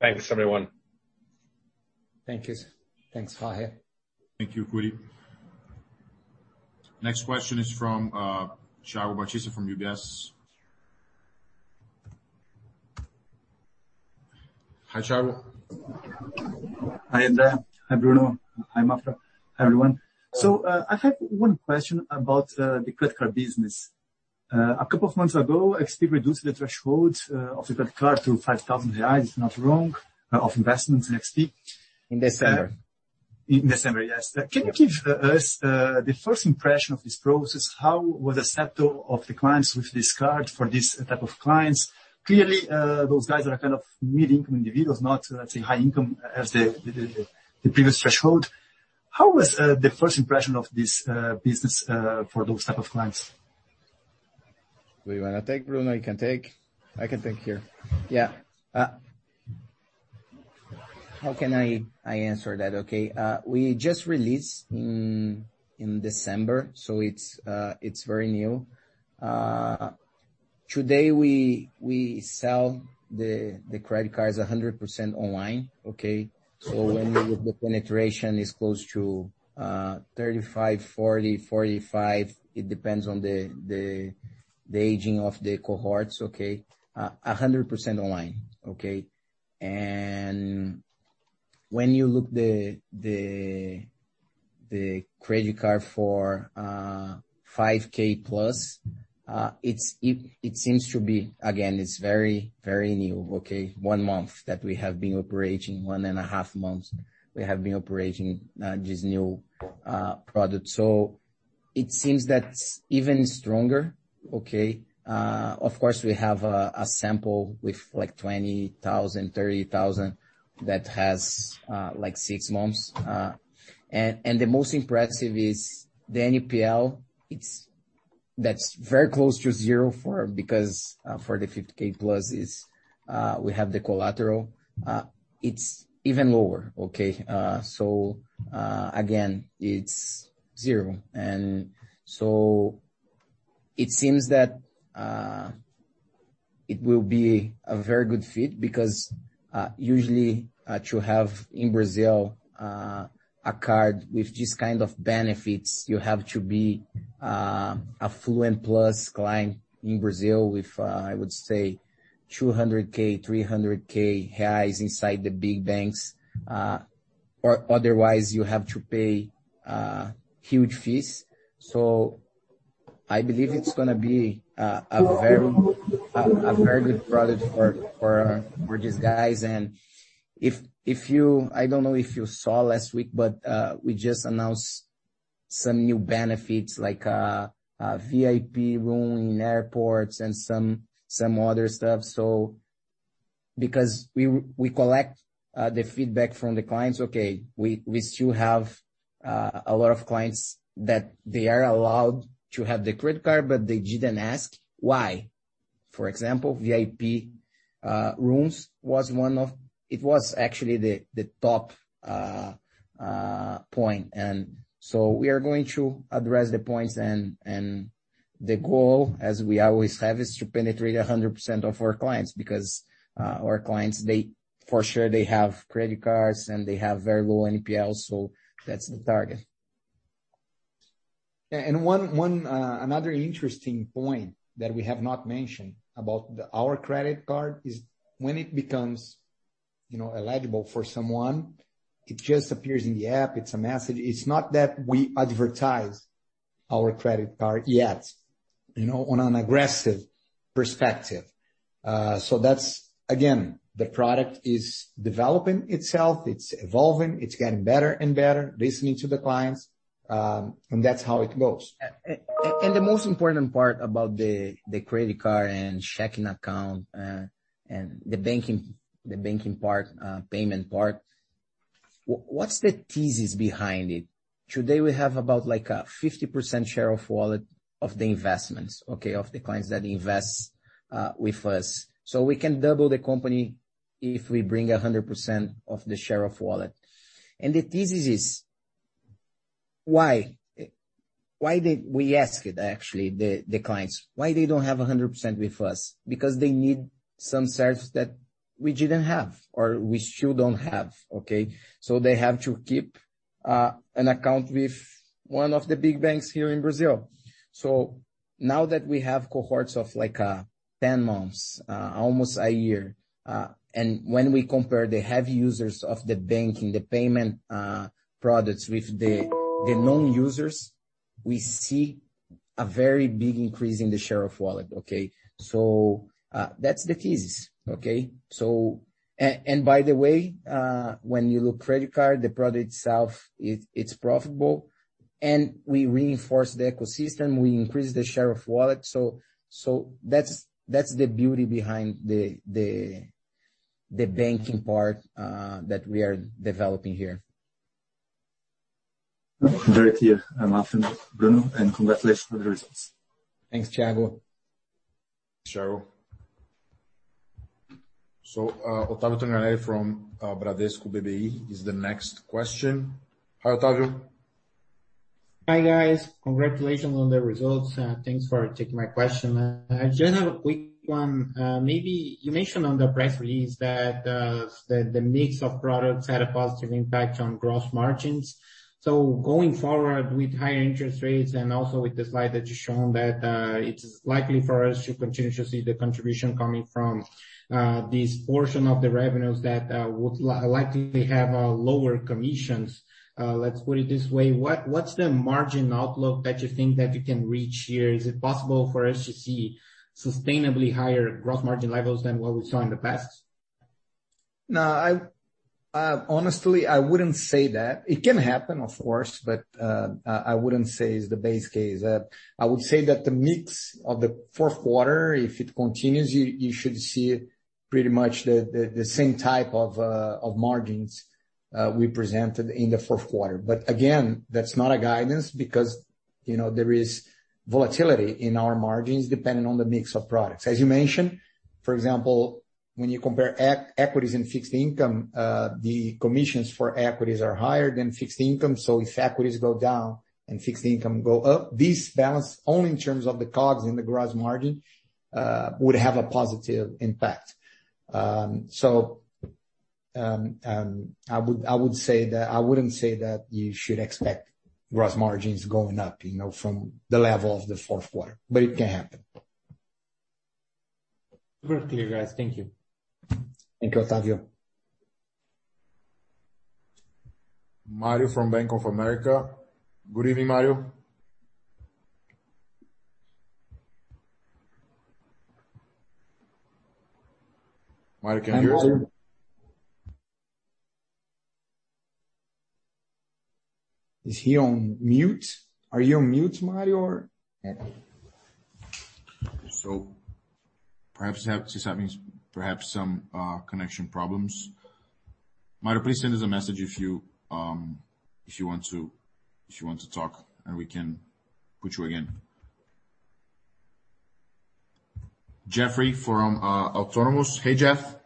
Thanks, everyone. Thank you. Thanks, Jorge. Thank you, Kuri. Next question is from Thiago Batista from UBS. Hi, Thiago. Hi, André. Hi, Bruno. Hi, Maffra. Hi, everyone. I have one question about the credit card business. A couple of months ago, XP reduced the threshold of the credit card to 5,000 reais, if not wrong, of investment in XP. In December. In December, yes. Can you give us the first impression of this process? How was the sector of the clients with this card for this type of clients? Clearly, those guys are kind of middle-income individuals, not, let's say, high income as the previous threshold. How was the first impression of this business for those type of clients? Do you wanna take, Bruno? You can take. I can take here. Yeah. How can I answer that? Okay. We just released in December, so it's very new. Today we sell the credit cards 100% online, okay? So when the penetration is close to 35, 40, 45, it depends on the aging of the cohorts, okay? 100% online, okay? And when you look the credit card for 5,000+, it seems to be, again, it's very new, okay? One month that we have been operating, one and a half months we have been operating this new product. So it seems that's even stronger, okay? Of course, we have a sample with like 20,000, 30,000 that has like six months. And the most impressive is the NPL. That's very close to zero. Because for the 50,000+, we have the collateral, it's even lower. Okay. Again, it's zero. It seems that it will be a very good fit because usually to have in Brazil a card with this kind of benefits, you have to be affluent plus client in Brazil with I would say 200,000 reais, 300,000 reais inside the big banks. Or otherwise you have to pay huge fees. I believe it's gonna be a very good product for these guys. And if you... I don't know if you saw last week, but we just announced some new benefits like VIP room in airports and some other stuff. Because we collect the feedback from the clients, okay, we still have a lot of clients that they are allowed to have the credit card, but they didn't ask. Why? For example, VIP rooms was actually the top point. We are going to address the points and the goal, as we always have, is to penetrate 100% of our clients. Because our clients they, for sure they have credit cards, and they have very low NPL, so that's the target. Another interesting point that we have not mentioned about our credit card is when it becomes, you know, eligible for someone, it just appears in the app. It's a message. It's not that we advertise our credit card yet, you know, on an aggressive perspective. That's again, the product is developing itself. It's evolving. It's getting better and better, listening to the clients, and that's how it goes. The most important part about the credit card and checking account, and the banking part, payment part, what's the thesis behind it? Today we have about like a 50% share of wallet of the investments, okay, of the clients that invest with us. We can double the company if we bring 100% of the share of wallet. The thesis is why? We ask actually the clients why they don't have 100% with us. Because they need some service that we didn't have or we still don't have, okay. They have to keep an account with one of the big banks here in Brazil. Now that we have cohorts of like ten months, almost a year, and when we compare the heavy users of the banking, the payment products with the non-users, we see a very big increase in the Share of Wallet. Okay, that's the thesis. Okay. By the way, when you look at the credit card, the product itself, it's profitable. We reinforce the ecosystem, we increase the Share of Wallet. That's the beauty behind the banking part that we are developing here. Very clear. I'm off then, Bruno, and congratulations for the results. Thanks, Thiago. Thiago. Otávio Tanganelli from Bradesco BBI is the next question. Hi, Otávio. Hi, guys. Congratulations on the results, and thanks for taking my question. I just have a quick one. Maybe you mentioned on the press release that the mix of products had a positive impact on gross margins. Going forward with higher interest rates and also with the slide that you showed that it's likely for us to continue to see the contribution coming from this portion of the revenues that would likely have lower commissions. Let's put it this way, what's the margin outlook that you think that you can reach here? Is it possible for us to see sustainably higher gross margin levels than what we saw in the past? No, I, honestly, I wouldn't say that. It can happen, of course, but, I wouldn't say it's the base case. I would say that the mix of the fourth quarter, if it continues, you should see pretty much the same type of of margins we presented in the fourth quarter. Again, that's not a guidance because, you know, there is volatility in our margins depending on the mix of products. As you mentioned, for example, when you compare equities and fixed income, the commissions for equities are higher than fixed income. If equities go down and fixed income go up, this balance only in terms of the COGS and the gross margin would have a positive impact. I would say that I wouldn't say that you should expect gross margins going up, you know, from the level of the fourth quarter, but it can happen. Very clear, guys. Thank you. Thank you, Otávio. Mario from Bank of America. Good evening, Mario. Mario, can you hear us? Is he on mute? Are you on mute, Mario or? Perhaps she's having some connection problems. Mario Pierry, please send us a message if you want to talk, and we can put you again. Geoffrey Elliott from Autonomous. Hey, Geoff.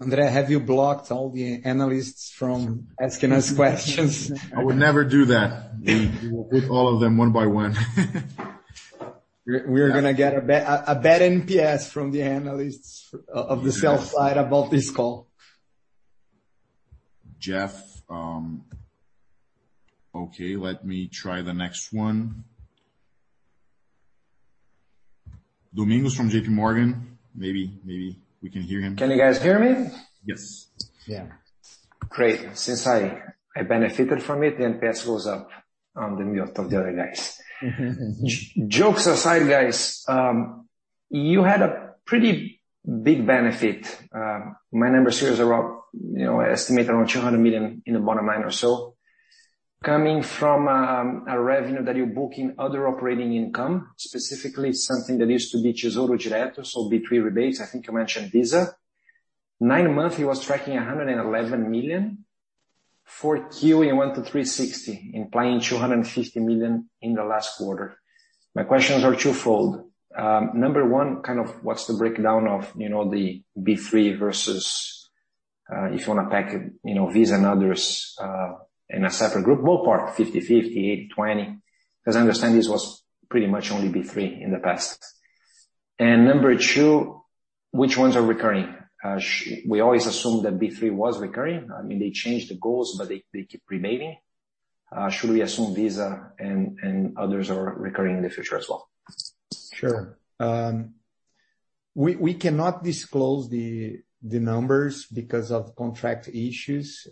André, have you blocked all the analysts from asking us questions? I would never do that. We will put all of them one by one. We're gonna get a bad NPS from the analysts of the sell-side about this call. Geoff, okay, let me try the next one. Domingos Falavina from JPMorgan. Maybe we can hear him. Can you guys hear me? Yes. Yeah. Great. Since I benefited from it, the NPS goes up on the moat of the other guys. Jokes aside, guys, you had a pretty big benefit. My numbers here is around, you know, I estimate around 200 million in the bottom line or so, coming from a revenue that you book in other operating income, specifically something that used to be Tesouro Direto, so B3 rebates, I think you mentioned Visa. Nine months, it was tracking 111 million. 4Q, it went to 360 million, implying 250 million in the last quarter. My questions are twofold. Number one, kind of what's the breakdown of, you know, the B3 versus if you wanna bucket, you know, Visa and others in a separate group, ballpark, 50/50, 80/20? 'Cause I understand this was pretty much only B3 in the past. Number two, which ones are recurring? We always assume that B3 was recurring. I mean, they changed the goals, but they keep remaining. Should we assume Visa and others are recurring in the future as well? Sure. We cannot disclose the numbers because of contract issues,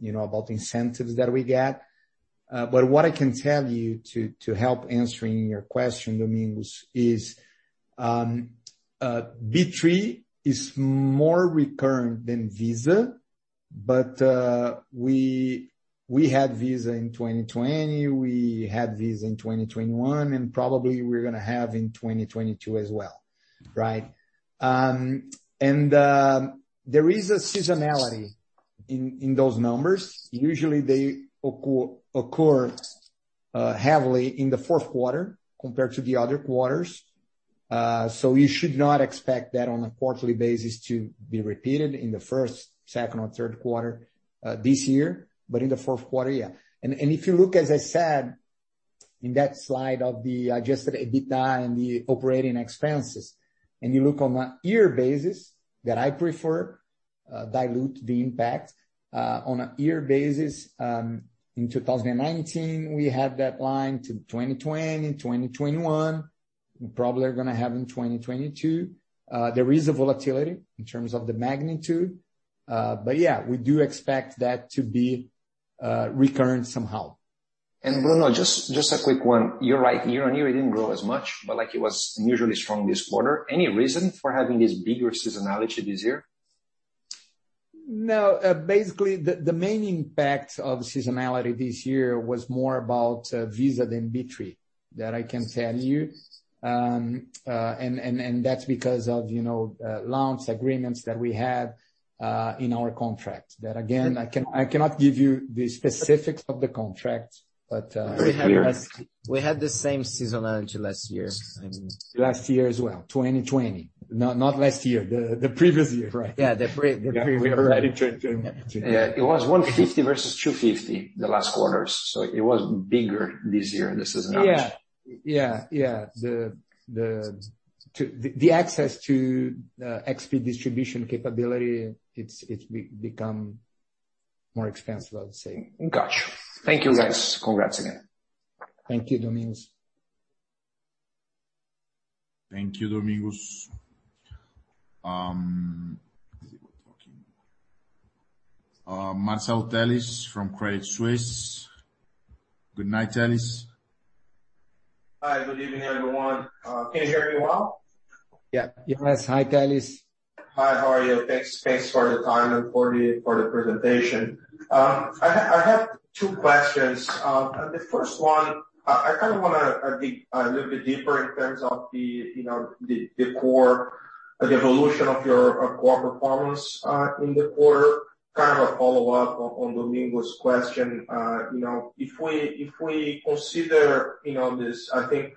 you know, about incentives that we get. What I can tell you to help answering your question, Domingos, is B3 is more recurring than Visa, but we had Visa in 2020, we had Visa in 2021, and probably we're gonna have in 2022 as well, right? There is a seasonality in those numbers. Usually, they occur heavily in the fourth quarter compared to the other quarters. You should not expect that on a quarterly basis to be repeated in the first, second or third quarter this year, but in the fourth quarter, yeah. If you look, as I said, in that slide of the adjusted EBITDA and the operating expenses, and you look on a year basis, that I prefer dilute the impact on a year basis, in 2019, we had that line to 2020, 2021, we probably are gonna have in 2022. There is a volatility in terms of the magnitude. But yeah, we do expect that to be recurring somehow. Bruno, just a quick one. You're right. Year on year, it didn't grow as much, but like it was unusually strong this quarter. Any reason for having this bigger seasonality this year? No. Basically, the main impact of seasonality this year was more about Visa than B3, that I can tell you. That's because of you know launch agreements that we had in our contract. That again, I cannot give you the specifics of the contract, but We had the same seasonality last year. I mean. Last year as well. 2020. Not last year, the previous year. Right. Yeah, the previous year. Yeah. We are already in 2023. Yeah. It was 150 million versus 250 million the last quarters, so it was bigger this year, the seasonality. Yeah. The access to the XP distribution capability, it's become more expensive, I would say. Got you. Thank you, guys. Congrats again. Thank you, Domingos. Thank you, Domingos. Let's see what's working. Marcelo Telles from Credit Suisse. Good night, Telles. Hi. Good evening, everyone. Can you hear me well? Yeah. Yes. Hi, Telles. Hi. How are you? Thanks for the time and for the presentation. I have two questions. The first one, I kinda wanna dig a little bit deeper in terms of the core evolution of your core performance in the quarter. Kind of a follow-up on Domingos question. You know, if we consider this, I think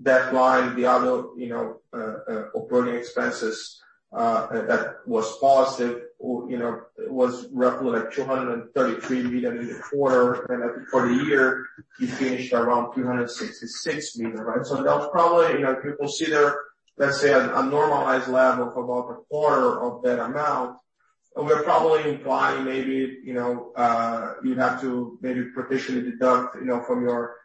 that line, the other operating expenses that was positive or, you know, it was roughly 233 million in the quarter, and then I think for the year, you finished around 366 million, right? That's probably, you know, if you consider, let's say a normalized level of about a quarter of that amount, and we're probably implying maybe, you know, you'd have to maybe provisionally deduct, you know, from your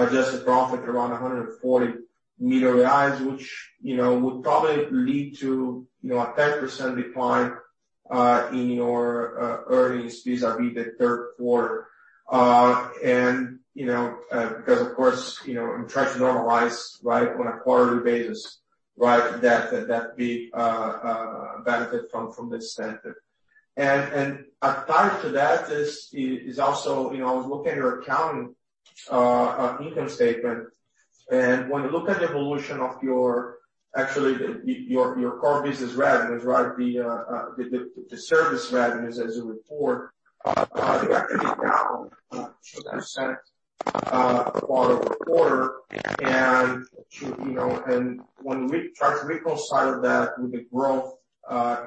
adjusted profit around 140 million reais, which, you know, would probably lead to, you know, a 10% decline in your earnings vis-à-vis the third quarter. You know, because of course, you know, I'm trying to normalize, right, on a quarterly basis, right? That benefit from this sector. Attached to that is also, you know, I was looking at your accounting income statement. When you look at the evolution of your. Actually, your core business revenues, right, the service revenues as you report, they are actually down 2%, quarter-over-quarter. When we try to reconcile that with the growth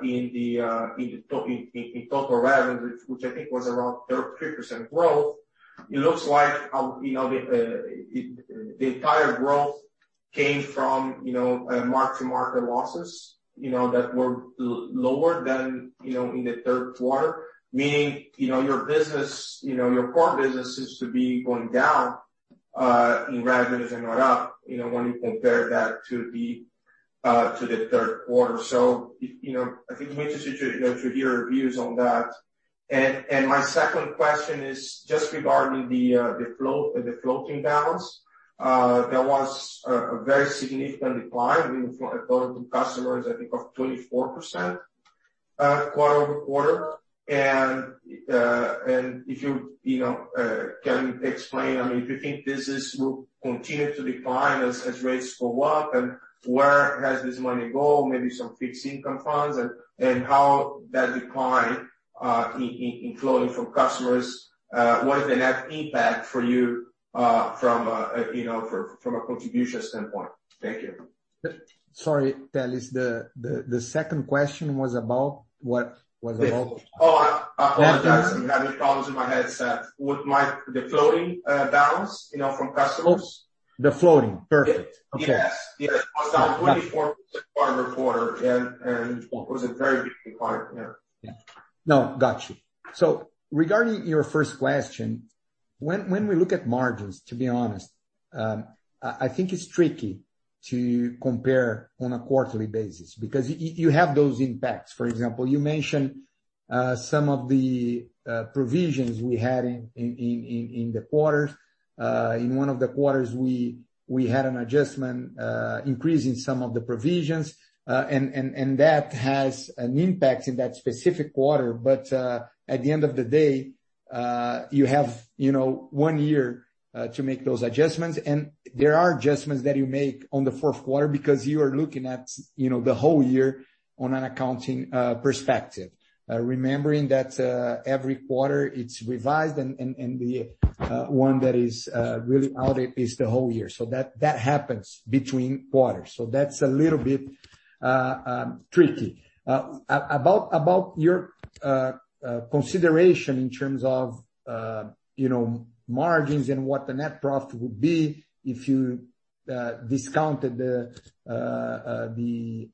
in the total revenues, which I think was around 3% growth, it looks like, you know, the entire growth came from, you know, mark-to-market losses, you know, that were lower than, you know, in the third quarter, meaning, you know, your business, you know, your core business seems to be going down in revenues and not up, you know, when you compare that to the third quarter. You know, I'd be interested to, you know, to hear your views on that. My second question is just regarding the floating balance. There was a very significant decline in floating customers, I think of 24%, quarter-over-quarter. If you know can explain, I mean, do you think this will continue to decline as rates go up? Where has this money gone? Maybe some fixed income funds and how that decline in flowing from customers what is the net impact for you from you know from a contribution standpoint? Thank you. Sorry, Telles. The second question was about what? Was about. Oh, I apologize. That one. I'm having problems with my headset. With the floating balance, you know, from customers. The floating. Perfect. Yes. Okay. Yes. It was down 24% quarter-over-quarter and it was a very big decline. Yeah. Yeah. No, got you. Regarding your first question, when we look at margins, to be honest, I think it's tricky to compare on a quarterly basis because you have those impacts. For example, you mentioned some of the provisions we had in the quarters. In one of the quarters we had an adjustment increasing some of the provisions and that has an impact in that specific quarter. At the end of the day you have, you know, one year to make those adjustments. There are adjustments that you make on the fourth quarter because you are looking at, you know, the whole year on an accounting perspective. Remembering that every quarter it's revised and the one that is really out is the whole year. That happens between quarters. That's a little bit tricky. About your consideration in terms of you know margins and what the net profit would be if you discounted the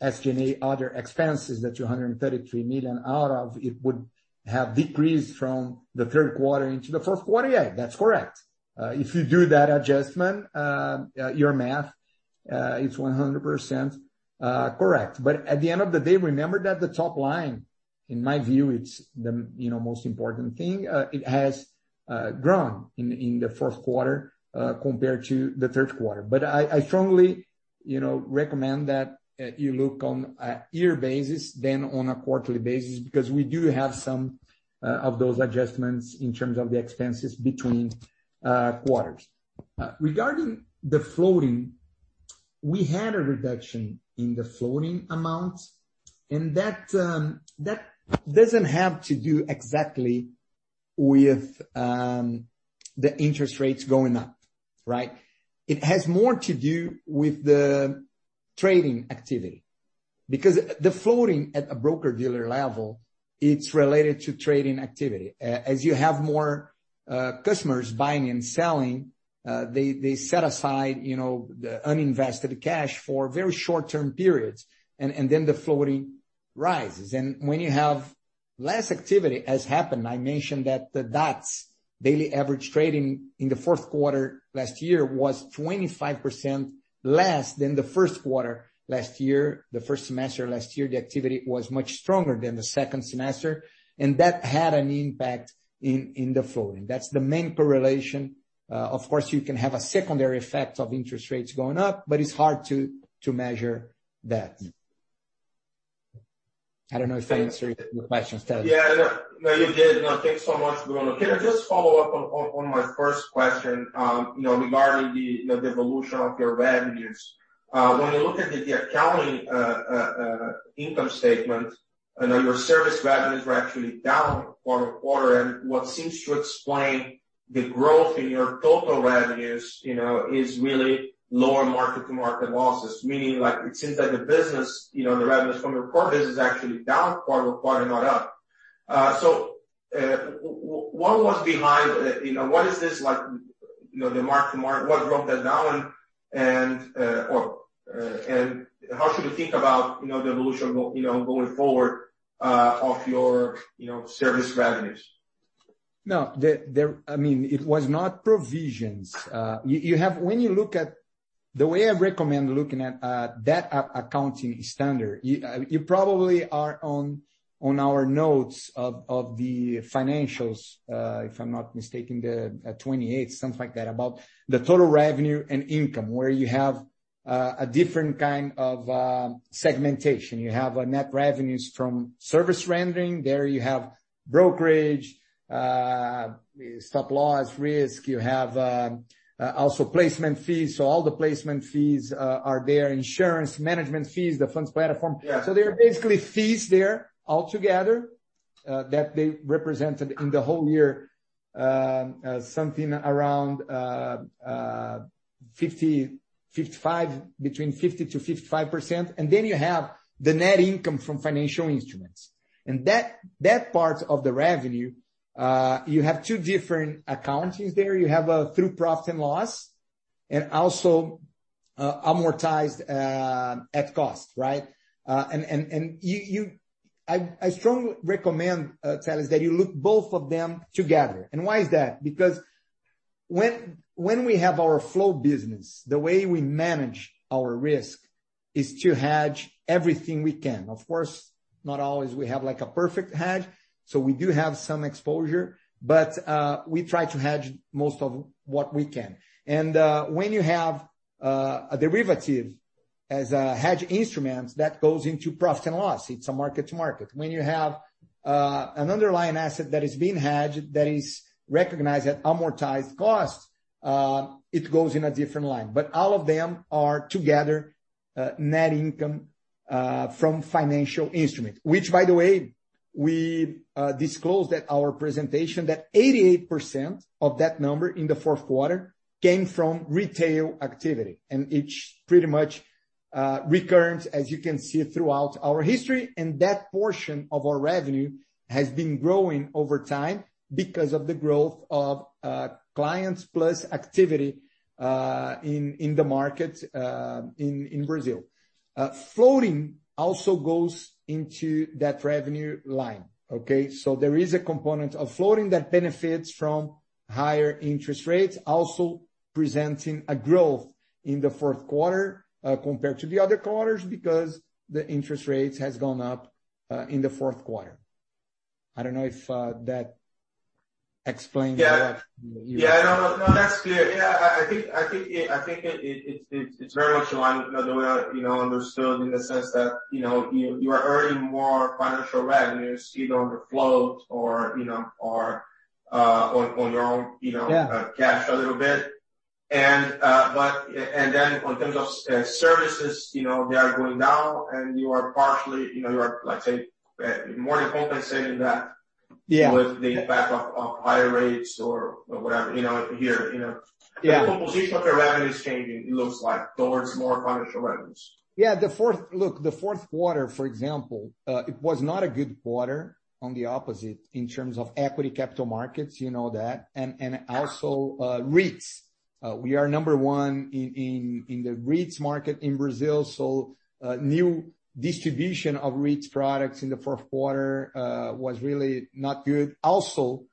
SG&A other expenses that 233 million out of it would have decreased from the third quarter into the fourth quarter. Yeah, that's correct. If you do that adjustment, your math is 100% correct. But at the end of the day, remember that the top line, in my view, it's the you know most important thing. It has grown in the fourth quarter compared to the third quarter. I strongly, you know, recommend that you look on a year basis than on a quarterly basis because we do have some of those adjustments in terms of the expenses between quarters. Regarding the floating, we had a reduction in the floating amounts, and that doesn't have to do exactly with the interest rates going up, right? It has more to do with the trading activity because the floating at a broker-dealer level, it's related to trading activity. As you have more customers buying and selling, they set aside, you know, the uninvested cash for very short-term periods, and then the floating rises. When you have less activity, as happened, I mentioned that the DARTs, Daily Average Trading, in the fourth quarter last year was 25% less than the first quarter last year. The first semester last year, the activity was much stronger than the second semester. That had an impact in the floating. That's the main correlation. Of course, you can have a secondary effect of interest rates going up, but it's hard to measure that. I don't know if that answered your questions, Telles. Yeah. No, you did. No, thanks so much, Bruno. Can I just follow up on my first question, you know, regarding the evolution of your revenues? When you look at the accounting income statement and your service revenues were actually down quarter-over-quarter, and what seems to explain the growth in your total revenues, you know, is really lower mark-to-market losses. Meaning like it seems like the business, you know, the revenues from your core business is actually down quarter-over-quarter and not up. So, what was behind. You know, what is this like, you know, the mark to market? What drove that down? And, or, and how should we think about, you know, the evolution, you know, going forward, of your service revenues? No. I mean, it was not provisions. You have. When you look at the way I recommend looking at that accounting standard, you probably are on our notes of the financials, if I'm not mistaken, the 28, something like that, about the total revenue and income, where you have a different kind of segmentation. You have net revenues from service rendering. There you have brokerage, stop loss, risk. You have also placement fees. So all the placement fees are there. Insurance, management fees, the funds platform. Yeah. There are basically fees there altogether that they represented in the whole year, something around 50%-55%. Then you have the net income from financial instruments. That part of the revenue, you have two different accountings there. You have through profit and loss and also amortized at cost, right? I strongly recommend, Telles, that you look both of them together. Why is that? Because when we have our flow business, the way we manage our risk is to hedge everything we can. Of course, not always we have like a perfect hedge, so we do have some exposure. We try to hedge most of what we can. When you have a derivative as a hedge instrument, that goes into profit and loss. It's mark-to-market. When you have an underlying asset that is being hedged, that is recognized at amortized cost, it goes in a different line. All of them are together, net income from financial instruments. Which, by the way, we disclosed at our presentation that 88% of that number in the fourth quarter came from retail activity. It's pretty much recurrent, as you can see throughout our history. That portion of our revenue has been growing over time because of the growth of clients plus activity in the market in Brazil. Floating also goes into that revenue line. Okay? There is a component of floating that benefits from higher interest rates, also presenting a growth in the fourth quarter, compared to the other quarters because the interest rates has gone up, in the fourth quarter. I don't know if that explains a lot. Yeah, no, that's clear. I think it's very much aligned, you know, understood in the sense that, you know, you are earning more financial revenues either on the float or, you know, on your own, you know. Yeah Cash a little bit. Then in terms of services, you know, they are going down and you are partially, you know, you are like, say, more than compensating that. Yeah with the impact of higher rates or whatever, you know, here, you know. Yeah. The composition of the revenue is changing, it looks like, towards more financial revenues. Yeah. Look, the fourth quarter, for example, it was not a good quarter, on the opposite, in terms of equity capital markets, you know that, and also, REITs. We are number one in the REITs market in Brazil, so new distribution of REITs products in the fourth quarter was really not good. Also,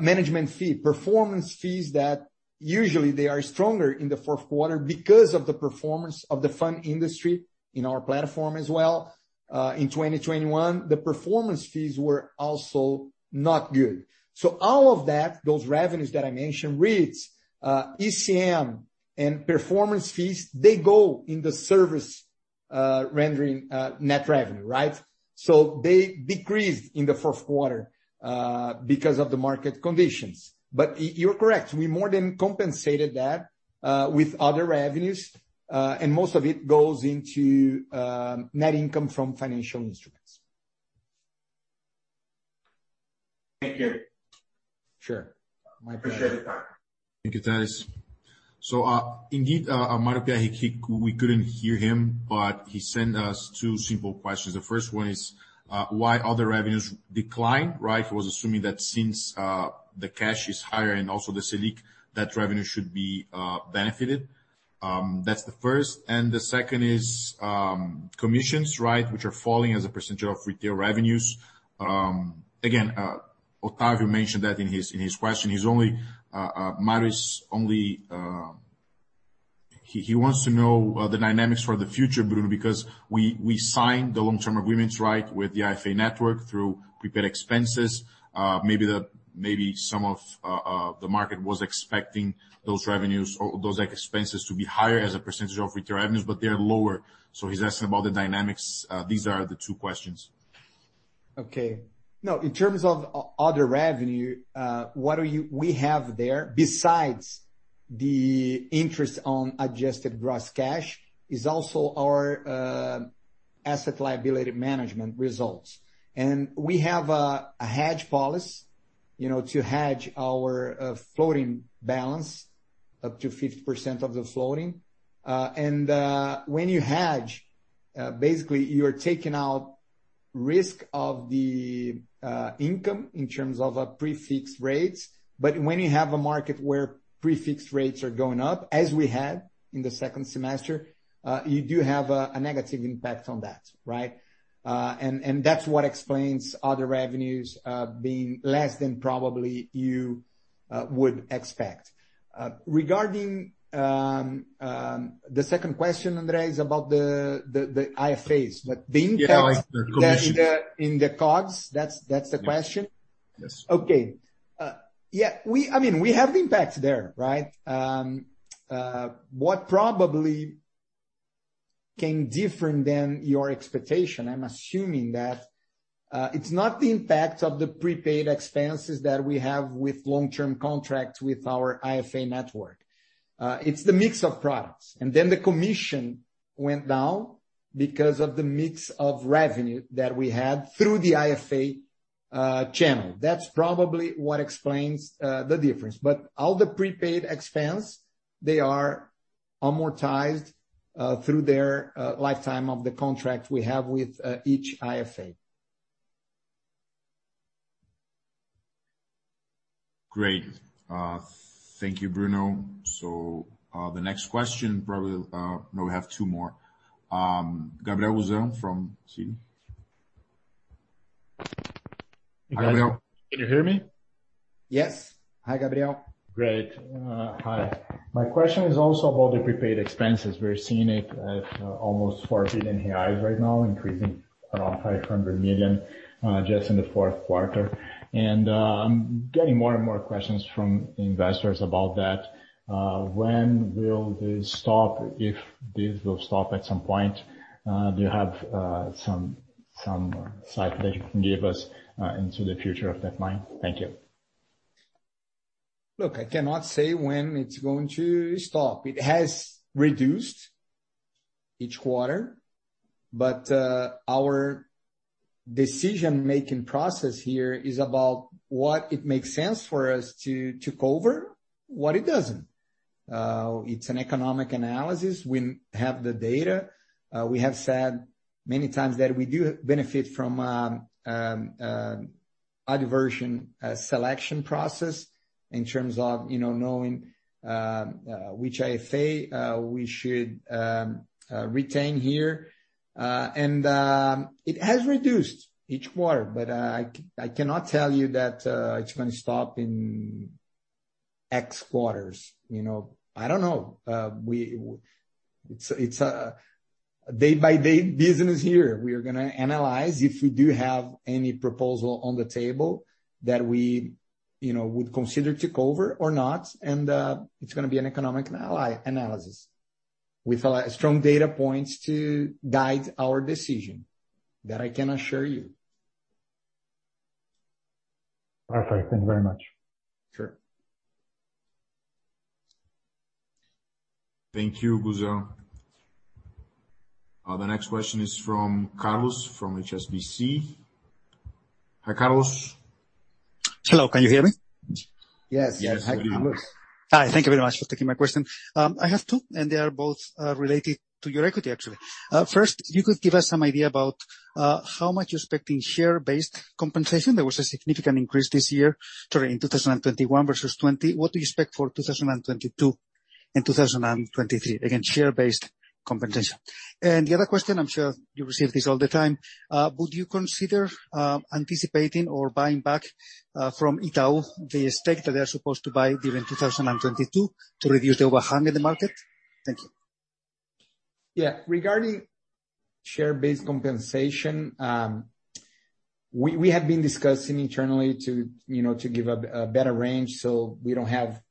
management fee, performance fees that usually they are stronger in the fourth quarter because of the performance of the fund industry in our platform as well. In 2021, the performance fees were also not good. All of that, those revenues that I mentioned, REITs, ECM and performance fees, they go in the service rendering net revenue, right? They decreased in the fourth quarter because of the market conditions. You're correct, we more than compensated that with other revenues. Most of it goes into net income from financial instruments. Thank you. Sure. My pleasure. Appreciate your time. Thank you, Telles. Indeed, Mario Pierry, we couldn't hear him, but he sent us two simple questions. The first one is, why other revenues declined, right? He was assuming that since the cash is higher and also the Selic, that revenue should be benefited. That's the first. The second is, commissions, right? Which are falling as a percentage of retail revenues. Again, Otavio mentioned that in his question. Mario's only. He wants to know the dynamics for the future, Bruno, because we signed the long-term agreements, right, with the IFA network through prepaid expenses. Maybe some of the market was expecting those revenues or those expenses to be higher as a percentage of retail revenues, but they're lower. He's asking about the dynamics. These are the two questions. Okay. No, in terms of other revenue, we have there, besides the interest on adjusted gross cash, is also our asset liability management results. We have a hedge policy, you know, to hedge our floating balance up to 50% of the floating. When you hedge, basically you're taking out risk of the income in terms of pre-fixed rates. When you have a market where pre-fixed rates are going up, as we had in the second semester, you do have a negative impact on that, right? That's what explains other revenues being less than probably you would expect. Regarding the second question, André, is about the IFAs. But the income- Yeah, like the commission. In the COGS, that's the question. Yes. Okay. Yeah, I mean, we have impact there, right? What probably came different than your expectation, I'm assuming that it's not the impact of the prepaid expenses that we have with long-term contracts with our IFA network. It's the mix of products. And then the commission went down because of the mix of revenue that we had through the IFA channel. That's probably what explains the difference. All the prepaid expense, they are amortized through their lifetime of the contract we have with each IFA. Great. Thank you, Bruno. We have two more. Gabriel Gusan from Citi. Gabriel. Can you hear me? Yes. Hi, Gabriel. Great. Hi. My question is also about the prepaid expenses. We're seeing it at almost 4 billion reais right now, increasing around 500 million just in the fourth quarter. I'm getting more and more questions from investors about that. When will this stop, if this will stop at some point? Do you have some insight that you can give us into the future of that line? Thank you. Look, I cannot say when it's going to stop. It has reduced each quarter, but our decision-making process here is about what it makes sense for us to take over, what it doesn't. It's an economic analysis. We have the data. We have said many times that we do benefit from an adverse selection process in terms of, you know, knowing which IFA we should retain here. It has reduced each quarter, but I cannot tell you that it's gonna stop in X quarters, you know. I don't know. It's a day-by-day business here. We are gonna analyze if we do have any proposal on the table that we, you know, would consider take over or not, and it's gonna be an economic analysis. We collect strong data points to guide our decision. That I can assure you. Perfect. Thank you very much. Sure. Thank you, Gusan. The next question is from Carlos, from HSBC. Hi, Carlos. Hello, can you hear me? Yes. Yes, we do. Hi, thank you very much for taking my question. I have two, and they are both related to your equity, actually. First, if you could give us some idea about how much you're expecting share-based compensation. There was a significant increase this year, sorry, in 2021 versus 2020. What do you expect for 2022 and 2023? Again, share-based compensation. The other question, I'm sure you receive this all the time, would you consider anticipating or buying back from Itaú the stake that they are supposed to buy during 2022 to reduce the overhang in the market? Thank you. Yeah. Regarding share-based compensation, we have been discussing internally to, you know, to give a better range, so we don't have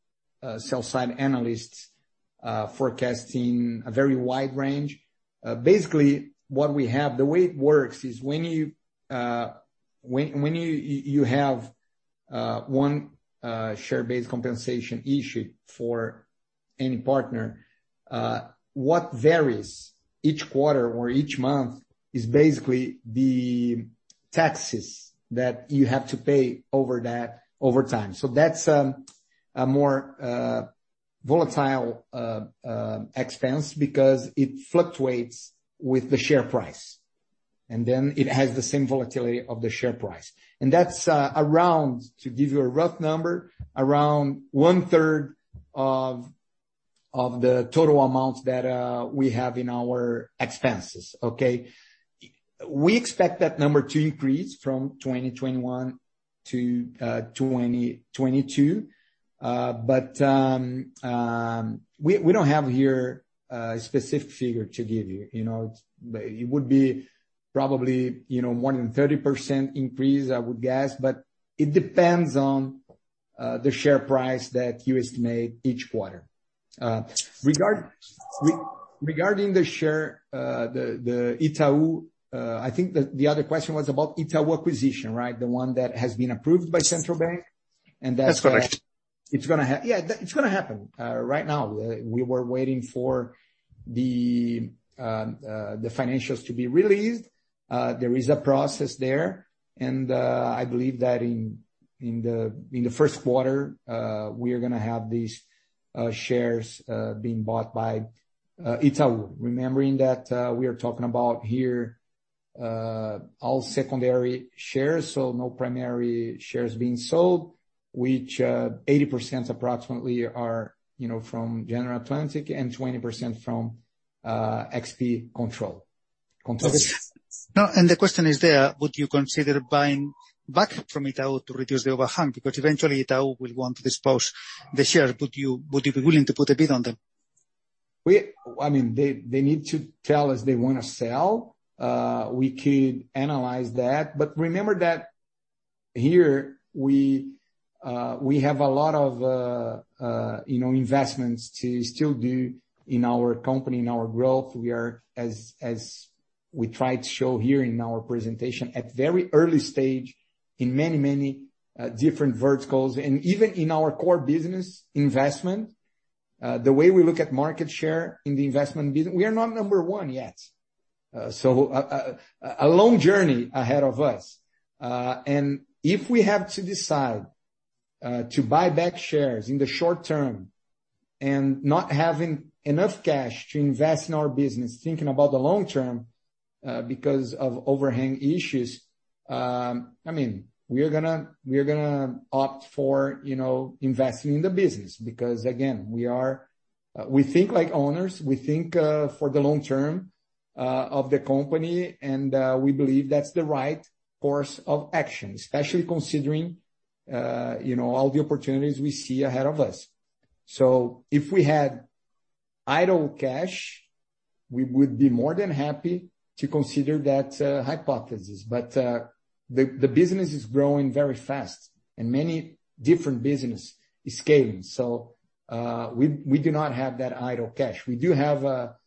sell-side analysts forecasting a very wide range. Basically, what we have. The way it works is when you have one share-based compensation issue for any partner, what varies each quarter or each month is basically the taxes that you have to pay over that over time. So that's a more volatile expense because it fluctuates with the share price. And then it has the same volatility of the share price. And that's around, to give you a rough number, around one-third of the total amount that we have in our expenses, okay? We expect that number to increase from 2021 to 2022, but we don't have here a specific figure to give you know. It would be probably, you know, more than 30% increase, I would guess. It depends on the share price that you estimate each quarter. Regarding the share, the Itaú, I think the other question was about Itaú acquisition, right? The one that has been approved by Central Bank, and that's- That's correct. Yeah, it's gonna happen. Right now, we were waiting for the financials to be released. There is a process there, and I believe that in the first quarter, we are gonna have these shares being bought by Itaú. Remembering that, we are talking about here all secondary shares, so no primary shares being sold, which approximately 80% are, you know, from General Atlantic and 20% from XP controllers. No, the question is there, would you consider buying back from Itaú to reduce the overhang? Because eventually Itaú will want to dispose the share. Would you be willing to put a bid on them? I mean, they need to tell us they wanna sell. We could analyze that. Remember that here we have a lot of, you know, investments to still do in our company, in our growth. We are as we tried to show here in our presentation, at very early stage in many different verticals. Even in our core business investment, the way we look at market share in the investment business, we are not number one yet. A long journey ahead of us. If we have to decide to buy back shares in the short term and not having enough cash to invest in our business, thinking about the long term, because of overhang issues, I mean, we are gonna opt for, you know, investing in the business. Because again, we think like owners, we think for the long term of the company, and we believe that's the right course of action, especially considering, you know, all the opportunities we see ahead of us. If we had idle cash, we would be more than happy to consider that hypothesis. The business is growing very fast and many different business is scaling. We do not have that idle cash. We do have a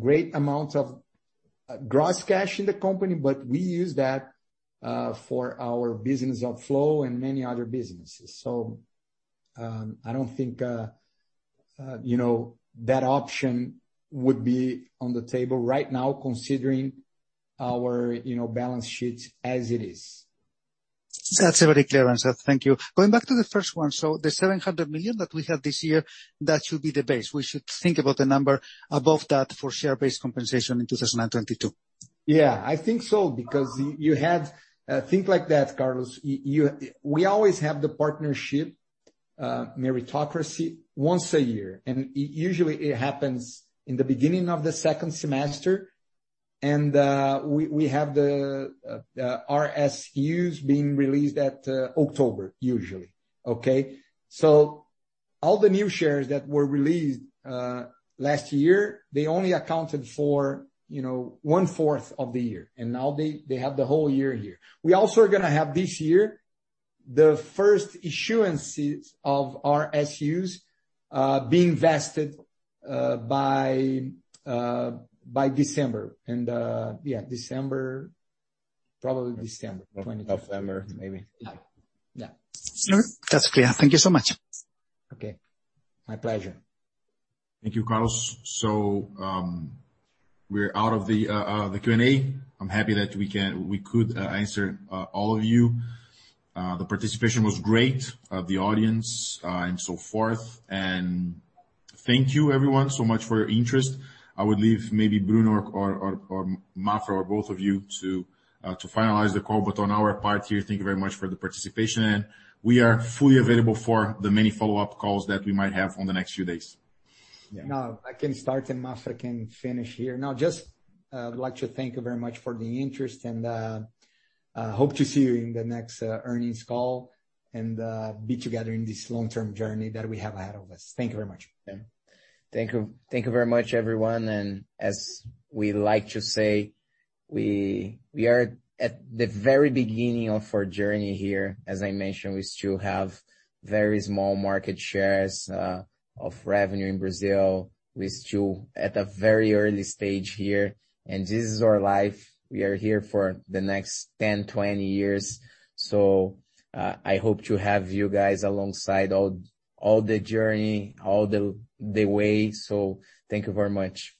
great amount of gross cash in the company, but we use that for our business outflow and many other businesses. I don't think you know, that option would be on the table right now, considering our you know, balance sheet as it is. That's a very clear answer. Thank you. Going back to the first one. The 700 million that we have this year, that should be the base. We should think about the number above that for share-based compensation in 2022. Yeah, I think so. Because you think like that, Carlos. We always have the partnership meritocracy once a year, and usually it happens in the beginning of the second semester. We have the RSUs being released at October usually, okay? So all the new shares that were released last year, they only accounted for, you know, one-fourth of the year, and now they have the whole year here. We also are gonna have this year, the first issuances of RSUs being vested by December. Yeah, December, probably December 23rd. November, maybe. Yeah. Sure. That's clear. Thank you so much. Okay. My pleasure. Thank you, Carlos. We're out of the Q&A. I'm happy that we could answer all of you. The participation was great, the audience, and so forth. Thank you, everyone, so much for your interest. I would leave maybe Bruno or Maffra or both of you to finalize the call. On our part here, thank you very much for the participation, and we are fully available for the many follow-up calls that we might have on the next few days. Yeah. No, I can start, and Maffra can finish here. Now, just, I'd like to thank you very much for the interest and hope to see you in the next earnings call and be together in this long-term journey that we have ahead of us. Thank you very much. Thank you. Thank you very much, everyone. As we like to say, we are at the very beginning of our journey here. As I mentioned, we still have very small market shares of revenue in Brazil. We're still at a very early stage here, and this is our life. We are here for the next 10, 20 years. I hope to have you guys alongside all the journey, all the way. Thank you very much.